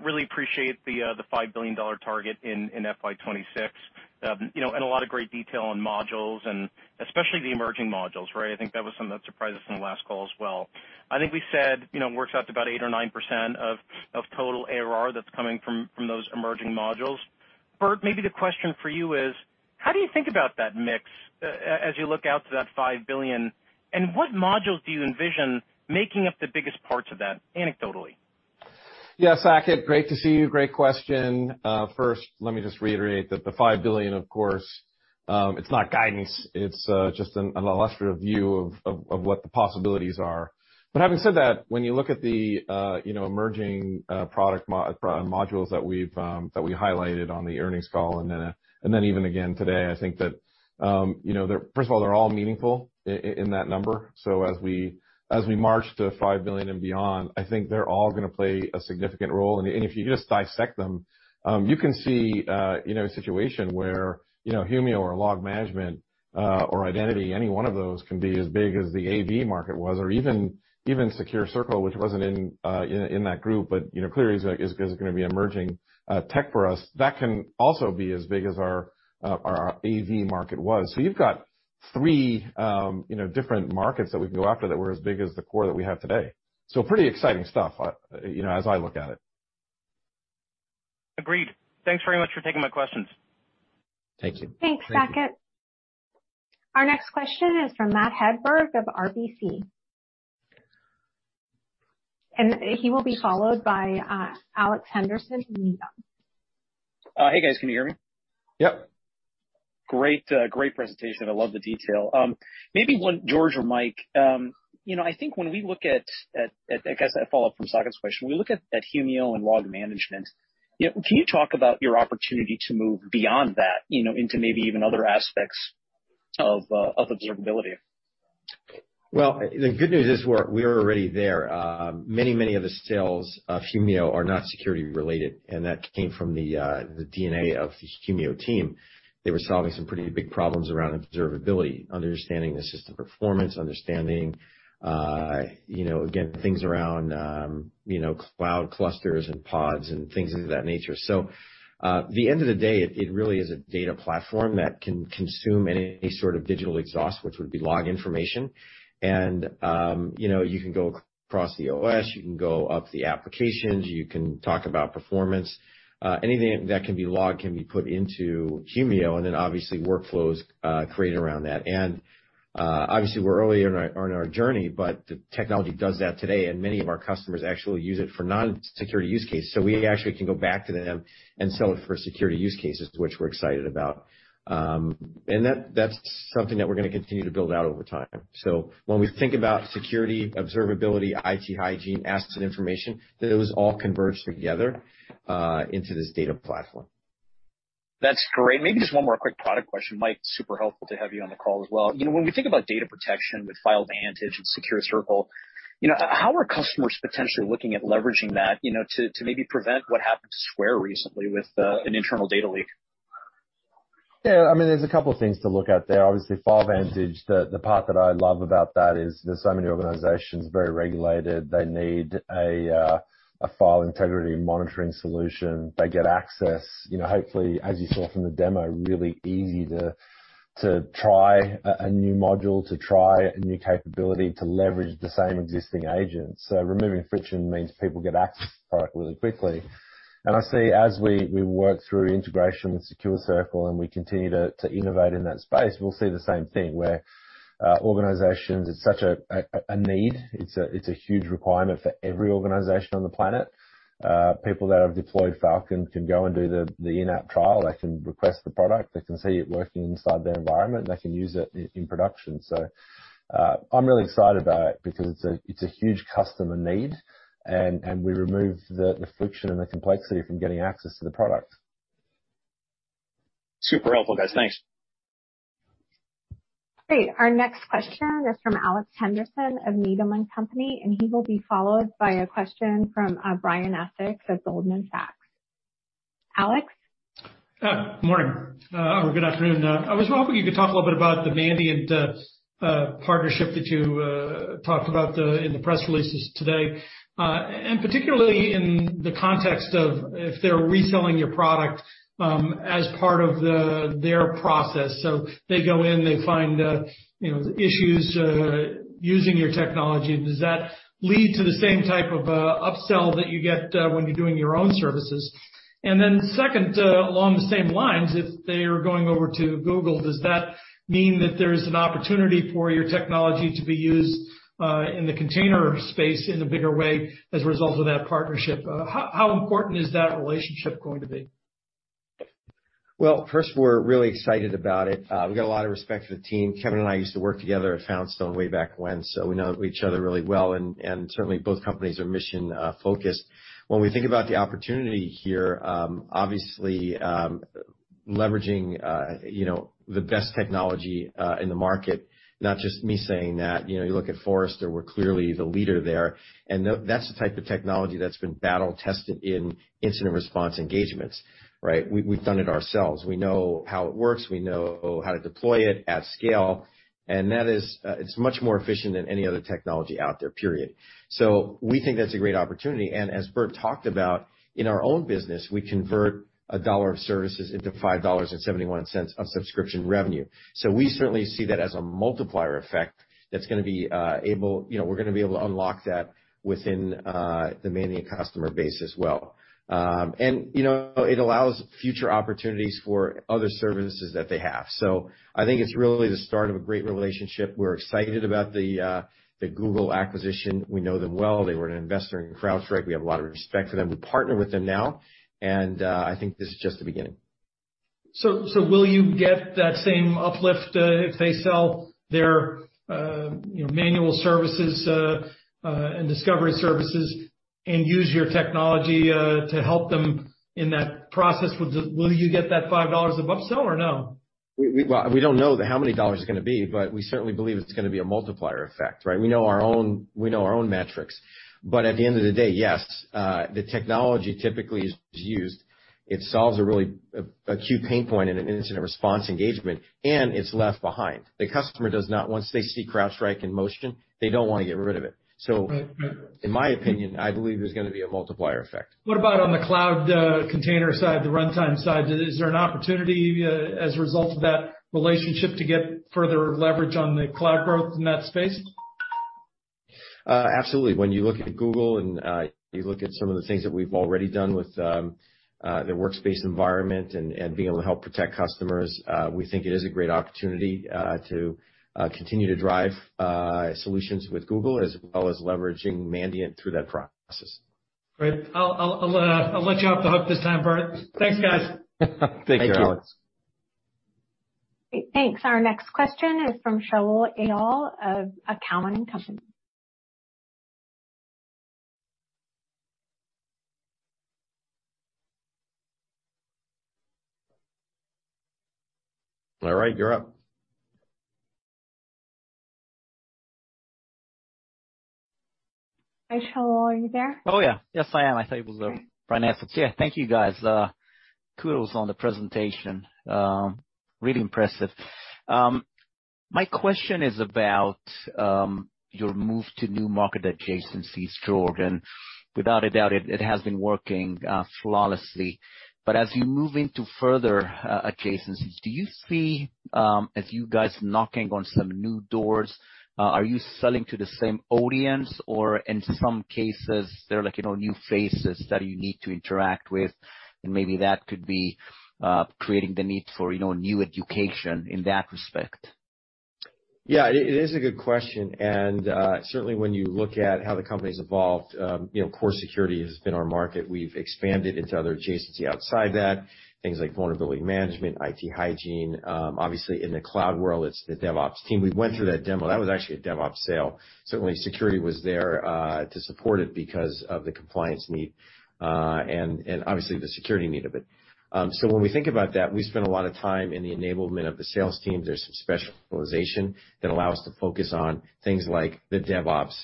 Really appreciate the $5 billion target in FY 2026. You know, a lot of great detail on modules and especially the emerging modules, right? I think that was something that surprised us in the last call as well. I think we said, you know, it works out to about 8% or 9% of total ARR that's coming from those emerging modules. Burt, maybe the question for you is. How do you think about that mix as you look out to that $5 billion, and what modules do you envision making up the biggest parts of that anecdotally? Yeah, Saket, great to see you. Great question. First, let me just reiterate that the $5 billion, of course, it's not guidance, it's just an illustrative view of what the possibilities are. Having said that, when you look at the you know, emerging product modules that we highlighted on the earnings call and then even again today, I think that you know, first of all, they're all meaningful in that number. As we march to $5 billion and beyond, I think they're all gonna play a significant role. If you just dissect them, you can see, you know, a situation where, you know, Humio or log management, or identity, any one of those can be as big as the AV market was, or even SecureCircle, which wasn't in that group, but, you know, clearly is gonna be emerging tech for us. That can also be as big as our AV market was. You've got three, you know, different markets that we can go after that were as big as the core that we have today. Pretty exciting stuff, you know, as I look at it. Agreed. Thanks very much for taking my questions. Thank you. Thanks, Saket. Our next question is from Matt Hedberg of RBC. He will be followed by Alex Henderson from Needham. Hey, guys. Can you hear me? Yep. Great. Great presentation. I love the detail. Maybe one... George or Mike, you know, I think when we look at, I guess, a follow-up from Saket's question, when we look at Humio and log management, you know, can you talk about your opportunity to move beyond that, you know, into maybe even other aspects of observability. Well, the good news is we're already there. Many of the sales of Humio are not security related, and that came from the DNA of the Humio team. They were solving some pretty big problems around observability, understanding the system performance, understanding you know, again, things around cloud clusters and pods and things of that nature. At the end of the day, it really is a data platform that can consume any sort of digital exhaust, which would be log information. You know, you can go across the OS, you can go up the applications, you can talk about performance. Anything that can be logged can be put into Humio, and then obviously workflows created around that. Obviously, we're early on our journey, but the technology does that today, and many of our customers actually use it for non-security use cases. We actually can go back to them and sell it for security use cases, which we're excited about. That's something that we're gonna continue to build out over time. When we think about security, observability, IT hygiene, asset information, those all converge together into this data platform. That's great. Maybe just one more quick product question. Michael, super helpful to have you on the call as well. You know, when we think about data protection with Falcon FileVantage and SecureCircle, you know, how are customers potentially looking at leveraging that, you know, to maybe prevent what happened to Square recently with an internal data leak? Yeah, I mean, there's a couple things to look at there. Obviously, FileVantage, the part that I love about that is there's so many organizations, very regulated, they need a file integrity monitoring solution. They get access, you know, hopefully, as you saw from the demo, really easy to try a new module, to try a new capability to leverage the same existing agents. Removing friction means people get access to the product really quickly. I see as we work through integration with SecureCircle, and we continue to innovate in that space, we'll see the same thing where organizations, it's such a need. It's a huge requirement for every organization on the planet. People that have deployed Falcon can go and do the in-app trial. They can request the product. They can see it working inside their environment, and they can use it in production. I'm really excited about it because it's a huge customer need, and we remove the friction and the complexity from getting access to the product. Super helpful, guys. Thanks. Great. Our next question is from Alex Henderson of Needham & Company, and he will be followed by a question from Brian Essex of Goldman Sachs. Alex? Good morning. Or good afternoon. I was hoping you could talk a little bit about the Mandiant partnership that you talked about in the press releases today. Particularly in the context of if they're reselling your product as part of their process. They go in, they find, you know, issues using your technology. Does that lead to the same type of upsell that you get when you're doing your own services? Then second, along the same lines, if they're going over to Google, does that mean that there's an opportunity for your technology to be used in the container space in a bigger way as a result of that partnership? How important is that relationship going to be? Well, first, we're really excited about it. We got a lot of respect for the team. Kevin and I used to work together at Foundstone way back when, so we know each other really well and certainly both companies are mission focused. When we think about the opportunity here, obviously, leveraging, you know, the best technology in the market, not just me saying that. You know, you look at Forrester, we're clearly the leader there. That's the type of technology that's been battle tested in incident response engagements, right? We've done it ourselves. We know how it works. We know how to deploy it at scale. That is, it's much more efficient than any other technology out there, period. We think that's a great opportunity. As Burt talked about, in our own business, we convert a dollar of services into $5.71 of subscription revenue. We certainly see that as a multiplier effect that's gonna be able to unlock that within the Mandiant customer base as well. You know, it allows future opportunities for other services that they have. I think it's really the start of a great relationship. We're excited about the Google acquisition. We know them well. They were an investor in CrowdStrike. We have a lot of respect for them. We partner with them now, and I think this is just the beginning. Will you get that same uplift if they sell their you know manual services and discovery services and use your technology to help them in that process? Will you get that $5 of upsell or no? Well, we don't know how many dollars it's gonna be, but we certainly believe it's gonna be a multiplier effect, right? We know our own metrics. At the end of the day, yes, the technology typically is used. It solves a really acute pain point in an incident response engagement, and it's left behind. The customer does not want to get rid of it once they see CrowdStrike in motion. Right. Right. In my opinion, I believe there's gonna be a multiplier effect. What about on the cloud, container side, the runtime side? Is there an opportunity, as a result of that relationship to get further leverage on the cloud growth in that space? Absolutely. When you look at Google, and you look at some of the things that we've already done with their workspace environment and being able to help protect customers, we think it is a great opportunity to continue to drive solutions with Google as well as leveraging Mandiant through that process. Great. I'll let you off the hook this time, Burt. Thanks, guys. Thank you, Alex. Thank you. Great. Thanks. Our next question is from Shaul Eyal of TD Cowen. All right, you're up. Hi, Shaul. Are you there? Oh, yeah. Yes, I am. Okay. Yeah. Thank you, guys. Kudos on the presentation. Really impressive. My question is about your move to new market adjacencies. Without a doubt, it has been working flawlessly. As you move into further adjacencies, do you see as you guys knocking on some new doors, are you selling to the same audience? Or in some cases, they're like, you know, new faces that you need to interact with and maybe that could be creating the need for, you know, new education in that respect. Yeah, it is a good question, and certainly when you look at how the company's evolved, you know, core security has been our market. We've expanded into other adjacencies outside that. Things like vulnerability management, IT hygiene. Obviously in the cloud world, it's the DevOps team. We went through that demo. That was actually a DevOps sale. Certainly security was there to support it because of the compliance need and obviously the security need of it. When we think about that, we spend a lot of time in the enablement of the sales teams. There's some specialization that allow us to focus on things like the DevOps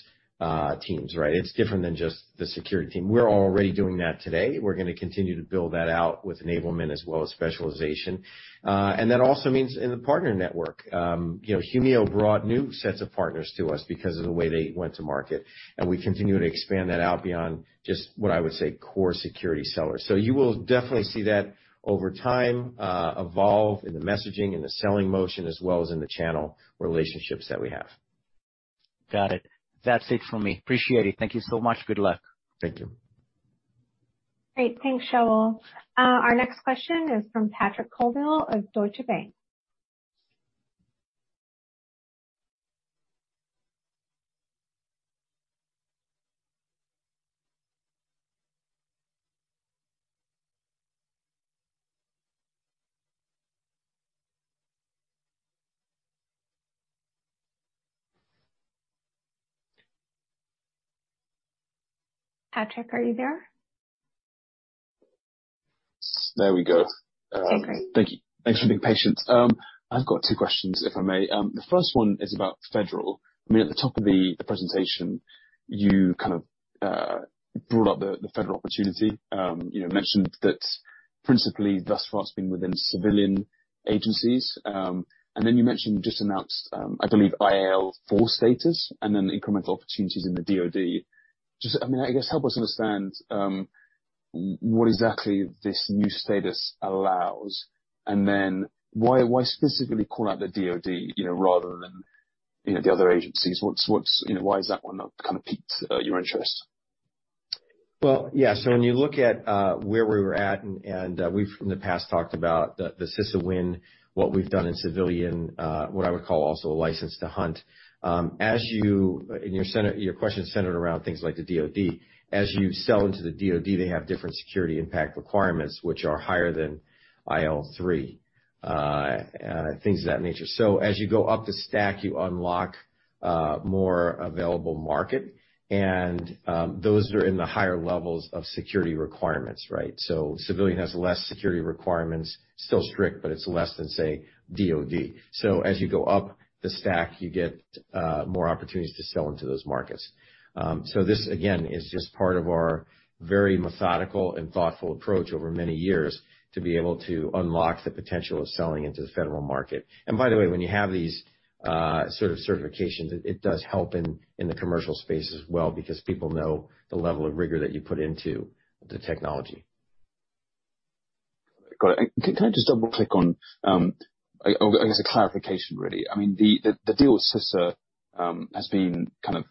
teams, right? It's different than just the security team. We're already doing that today. We're gonna continue to build that out with enablement as well as specialization. that also means in the partner network, you know, Humio brought new sets of partners to us because of the way they went to market, and we continue to expand that out beyond just what I would say, core security sellers. You will definitely see that over time, evolve in the messaging and the selling motion, as well as in the channel relationships that we have. Got it. That's it from me. Appreciate it. Thank you so much. Good luck. Thank you. Great. Thanks, Shaul. Our next question is from Patrick Colville of Deutsche Bank. Patrick, are you there? There we go. Okay. Thank you. Thanks for being patient. I've got two questions, if I may. The first one is about Federal. I mean, at the top of the presentation, you kind of brought up the Federal opportunity. You know, mentioned that principally thus far it's been within civilian agencies. You mentioned you just announced, I believe IL4 status and then the incremental opportunities in the DoD. Just, I mean, I guess help us understand what exactly this new status allows and then why specifically call out the DoD, you know, rather than the other agencies. What's, you know, why is that one that kind of piqued your interest? Well, yeah. When you look at where we were at, and we've in the past talked about the CISA win, what we've done in civilian, what I would call also a license to hunt. As your question is centered around things like the DoD. As you sell into the DoD, they have different security impact requirements, which are higher than IL3, things of that nature. As you go up the stack, you unlock more available market and those are in the higher levels of security requirements, right? Civilian has less security requirements, still strict, but it's less than, say, DoD. As you go up the stack, you get more opportunities to sell into those markets. This again is just part of our very methodical and thoughtful approach over many years to be able to unlock the potential of selling into the federal market. By the way, when you have these sort of certifications, it does help in the commercial space as well because people know the level of rigor that you put into the technology. Got it. Can I just double-click on, or I guess a clarification, really. I mean, the deal with CISA has been kind of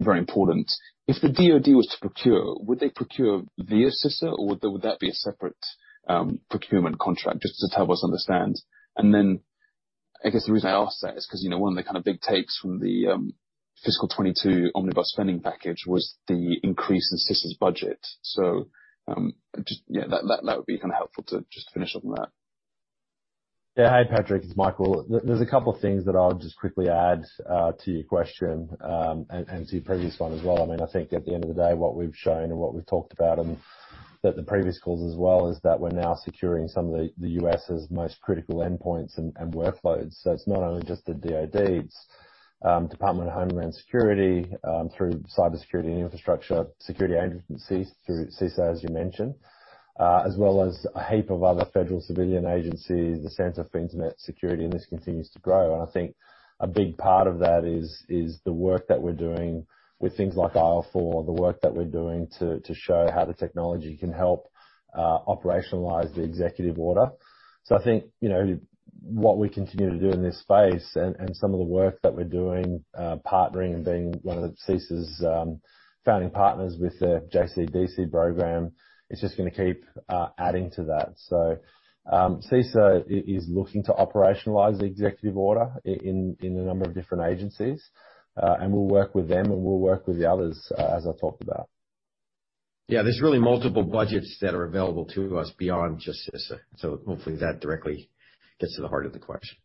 very important. If the DoD was to procure, would they procure via CISA, or would that be a separate procurement contract? Just to help us understand. Then I guess the reason I ask that is because, you know, one of the kind of big takes from the fiscal 2022 omnibus spending package was the increase in CISA's budget. Just, yeah, that would be kind of helpful to just finish up on that. Yeah. Hi, Patrick. It's Michael. There's a couple of things that I'll just quickly add to your question, and to your previous one as well. I mean, I think at the end of the day, what we've shown and what we've talked about on the previous calls as well, is that we're now securing some of the U.S.'s most critical endpoints and workloads. It's not only just the DoD, it's Department of Homeland Security, through Cybersecurity and Infrastructure Security Agency through CISA, as you mentioned, as well as a heap of other federal civilian agencies, the Center for Internet Security, and this continues to grow. I think a big part of that is the work that we're doing with things like IL4, the work that we're doing to show how the technology can help operationalize the executive order. I think, you know, what we continue to do in this space and some of the work that we're doing partnering and being one of the CISA's founding partners with the JCDC program, is just gonna keep adding to that. CISA is looking to operationalize the executive order in a number of different agencies, and we'll work with them, and we'll work with the others, as I talked about. Yeah, there's really multiple budgets that are available to us beyond just CISA, so hopefully that directly gets to the heart of the question.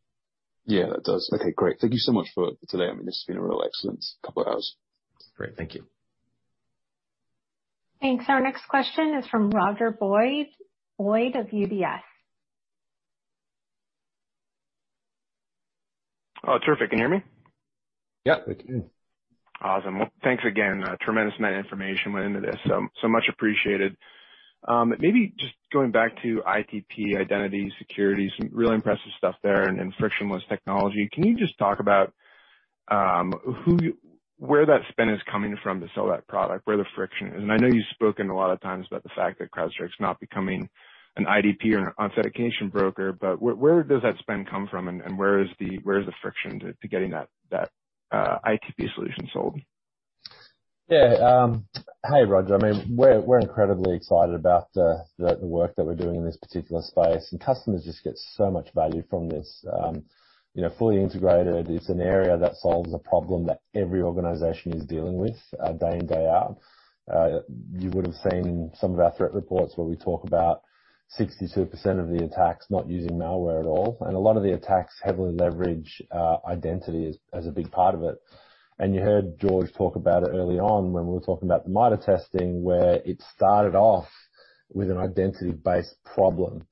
Yeah, it does. Okay, great. Thank you so much for today. I mean, this has been a real excellent couple of hours. Great. Thank you. Thanks. Our next question is from Roger Boyd of UBS. Oh, terrific. Can you hear me? Yeah. We can. Awesome. Thanks again. A tremendous amount of information went into this, so much appreciated. Maybe just going back to ITP identity security, some really impressive stuff there and frictionless technology. Can you just talk about where that spend is coming from to sell that product, where the friction is? I know you've spoken a lot of times about the fact that CrowdStrike is not becoming an IDP or an authentication broker, but where does that spend come from and where is the friction to getting that ITP solution sold? Yeah. Hey, Roger. I mean, we're incredibly excited about the work that we're doing in this particular space, and customers just get so much value from this. You know, fully integrated. It's an area that solves a problem that every organization is dealing with day in, day out. You would have seen some of our threat reports where we talk about 62% of the attacks not using malware at all, and a lot of the attacks heavily leverage identity as a big part of it. You heard George talk about it early on when we were talking about MITRE testing, where it started off with an identity-based problem.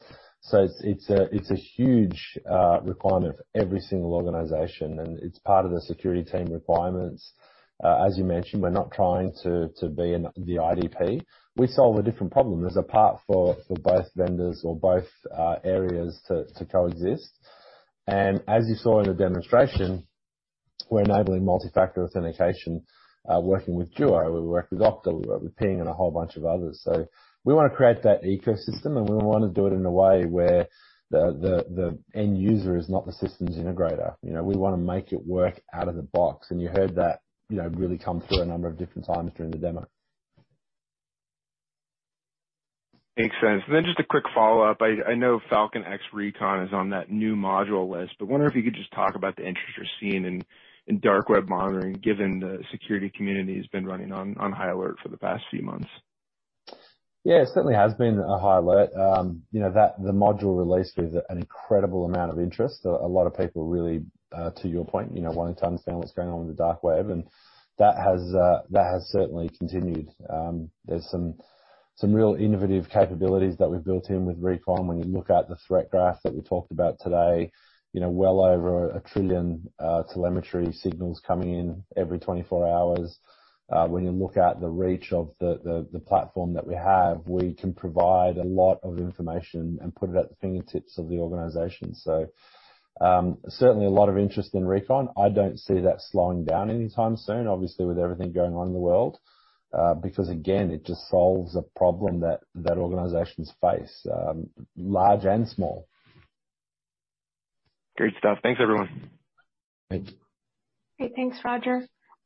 It's a huge requirement for every single organization, and it's part of the security team requirements. As you mentioned, we're not trying to be the IDP. We solve a different problem. There's a part for both vendors or both areas to coexist. As you saw in the demonstration, we're enabling multi-factor authentication, working with Duo. We work with Okta. We're working with Ping and a whole bunch of others. We want to create that ecosystem, and we want to do it in a way where the end user is not the systems integrator. You know, we want to make it work out of the box. You heard that, you know, really come through a number of different times during the demo. Makes sense. Just a quick follow-up. I know Falcon X Recon is on that new module list, but I wonder if you could just talk about the interest you're seeing in dark web monitoring, given the security community has been running on high alert for the past few months. Yeah, it certainly has been a high alert. You know, that the module released with an incredible amount of interest. A lot of people really, to your point, you know, wanting to understand what's going on in the dark web, and that has certainly continued. There's some real innovative capabilities that we've built in with Recon. When you look at the Threat Graph that we talked about today, you know, well over 1 trillion telemetry signals coming in every 24 hours. When you look at the reach of the platform that we have, we can provide a lot of information and put it at the fingertips of the organization. Certainly a lot of interest in Recon. I don't see that slowing down anytime soon, obviously, with everything going on in the world, because again, it just solves a problem that organizations face, large and small. Great stuff. Thanks, everyone. Thanks. Okay, thanks, Roger.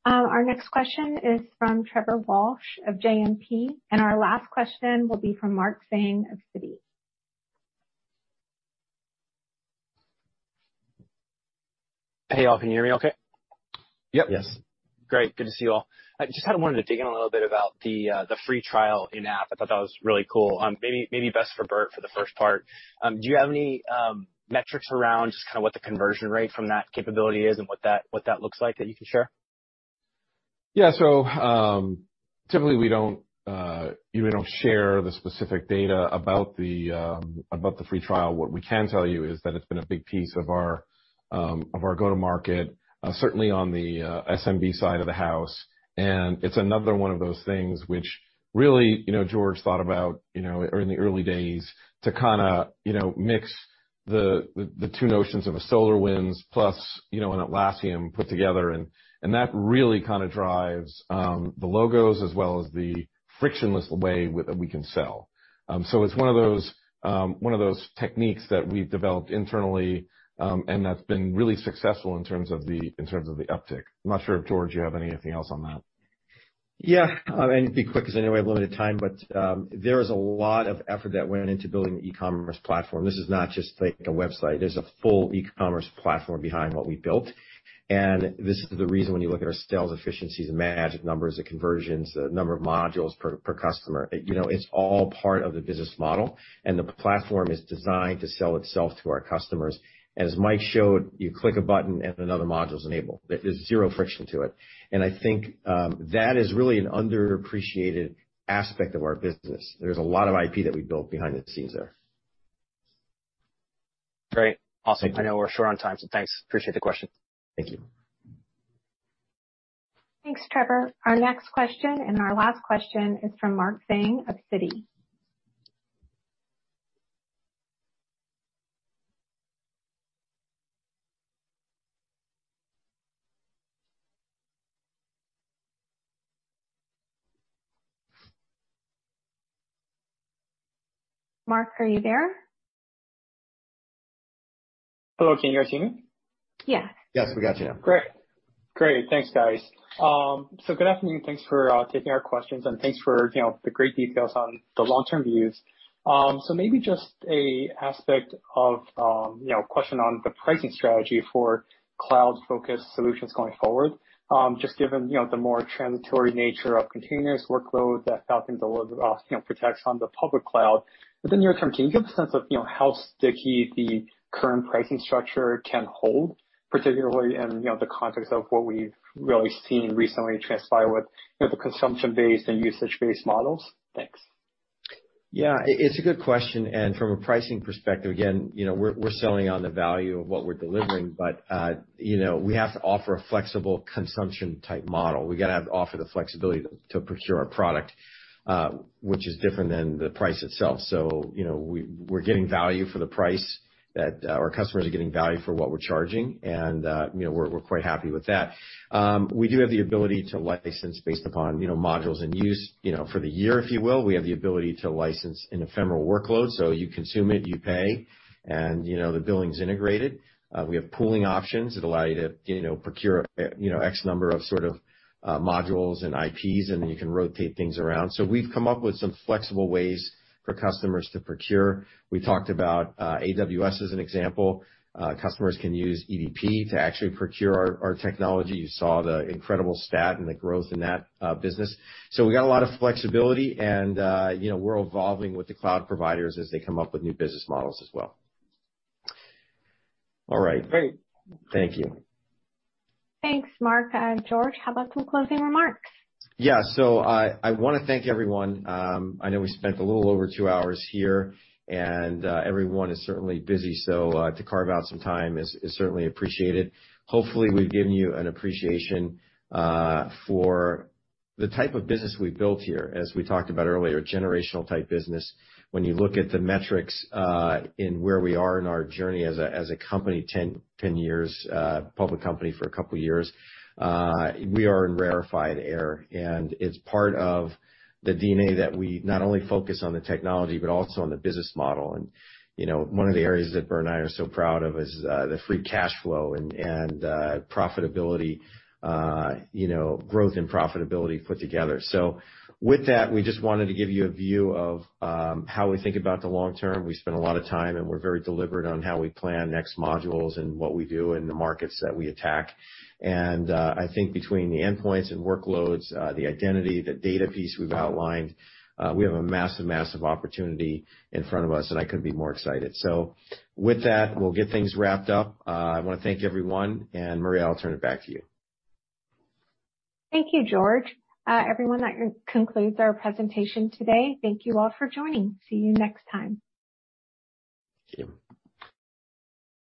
Our next question is from Trevor Walsh of JMP, and our last question will be from Mark Tsang of Citi. Hey, y'all. Can you hear me okay? Yep. Yes. Great. Good to see you all. I just kind of wanted to dig in a little bit about the free trial in-app. I thought that was really cool. Maybe best for Burt for the first part. Do you have any metrics around just kind of what the conversion rate from that capability is and what that looks like that you can share? Yeah. Typically we don't, you know, share the specific data about the free trial. What we can tell you is that it's been a big piece of our go-to-market, certainly on the SMB side of the house. It's another one of those things which really, you know, George thought about, you know, in the early days to kinda, you know, mix the two notions of a SolarWinds plus, you know, an Atlassian put together and that really kind of drives the logos as well as the frictionless way that we can sell. It's one of those techniques that we've developed internally, and that's been really successful in terms of the uptick. I'm not sure if, George, you have anything else on that. Yeah. Be quick because I know we have limited time, but there is a lot of effort that went into building the e-commerce platform. This is not just like a website. There's a full e-commerce platform behind what we built. This is the reason when you look at our sales efficiencies, the magic numbers, the conversions, the number of modules per customer. You know, it's all part of the business model, and the platform is designed to sell itself to our customers. As Mike showed, you click a button and another module's enabled. There's zero friction to it. I think that is really an underappreciated aspect of our business. There's a lot of IP that we built behind the scenes there. Great. Awesome. I know we're short on time, so thanks. Appreciate the question. Thank you. Thanks, Trevor. Our next question, and our last question is from Mark Tsang of Citi. Mark, are you there? Hello, can you guys hear me? Yeah. Yes, we got you. Great. Thanks, guys. So good afternoon. Thanks for taking our questions and thanks for, you know, the great details on the long-term views. Maybe just an aspect of, you know, question on the pricing strategy for cloud-focused solutions going forward, just given, you know, the more transitory nature of containers workload that Falcon Cloud Workload Protection protects on the public cloud. But then near term, can you give a sense of, you know, how sticky the current pricing structure can hold, particularly in, you know, the context of what we've really seen recently transpire with, you know, the consumption-based and usage-based models? Thanks. Yeah, it's a good question. From a pricing perspective, again, you know, we're selling on the value of what we're delivering, but you know, we have to offer a flexible consumption-type model. We have to offer the flexibility to procure our product, which is different than the price itself. You know, we're getting value for the price that our customers are getting value for what we're charging, and you know, we're quite happy with that. We do have the ability to license based upon, you know, modules and use, you know, for the year, if you will. We have the ability to license in ephemeral workload, so you consume it, you pay, and you know, the billing's integrated. We have pooling options that allow you to, you know, procure, you know, X number of sort of, modules and IPs, and then you can rotate things around. We've come up with some flexible ways for customers to procure. We talked about AWS as an example. Customers can use EDP to actually procure our technology. You saw the incredible stat and the growth in that business. We got a lot of flexibility, and you know, we're evolving with the cloud providers as they come up with new business models as well. All right. Great. Thank you. Thanks, Mark. George, how about some closing remarks? Yeah. I wanna thank everyone. I know we spent a little over two hours here, and everyone is certainly busy, so to carve out some time is certainly appreciated. Hopefully, we've given you an appreciation for the type of business we've built here. As we talked about earlier, generational type business. When you look at the metrics in where we are in our journey as a company, 10 years, public company for a couple years, we are in rarefied air, and it's part of the DNA that we not only focus on the technology, but also on the business model. You know, one of the areas that Burt and I are so proud of is the free cash flow and profitability, you know, growth and profitability put together. With that, we just wanted to give you a view of how we think about the long term. We spend a lot of time, and we're very deliberate on how we plan next modules and what we do and the markets that we attack. I think between the endpoints and workloads, the identity, the data piece we've outlined, we have a massive opportunity in front of us, and I couldn't be more excited. With that, we'll get things wrapped up. I wanna thank everyone. Maria, I'll turn it back to you. Thank you, George. Everyone, that concludes our presentation today. Thank you all for joining. See you next time. Thank you.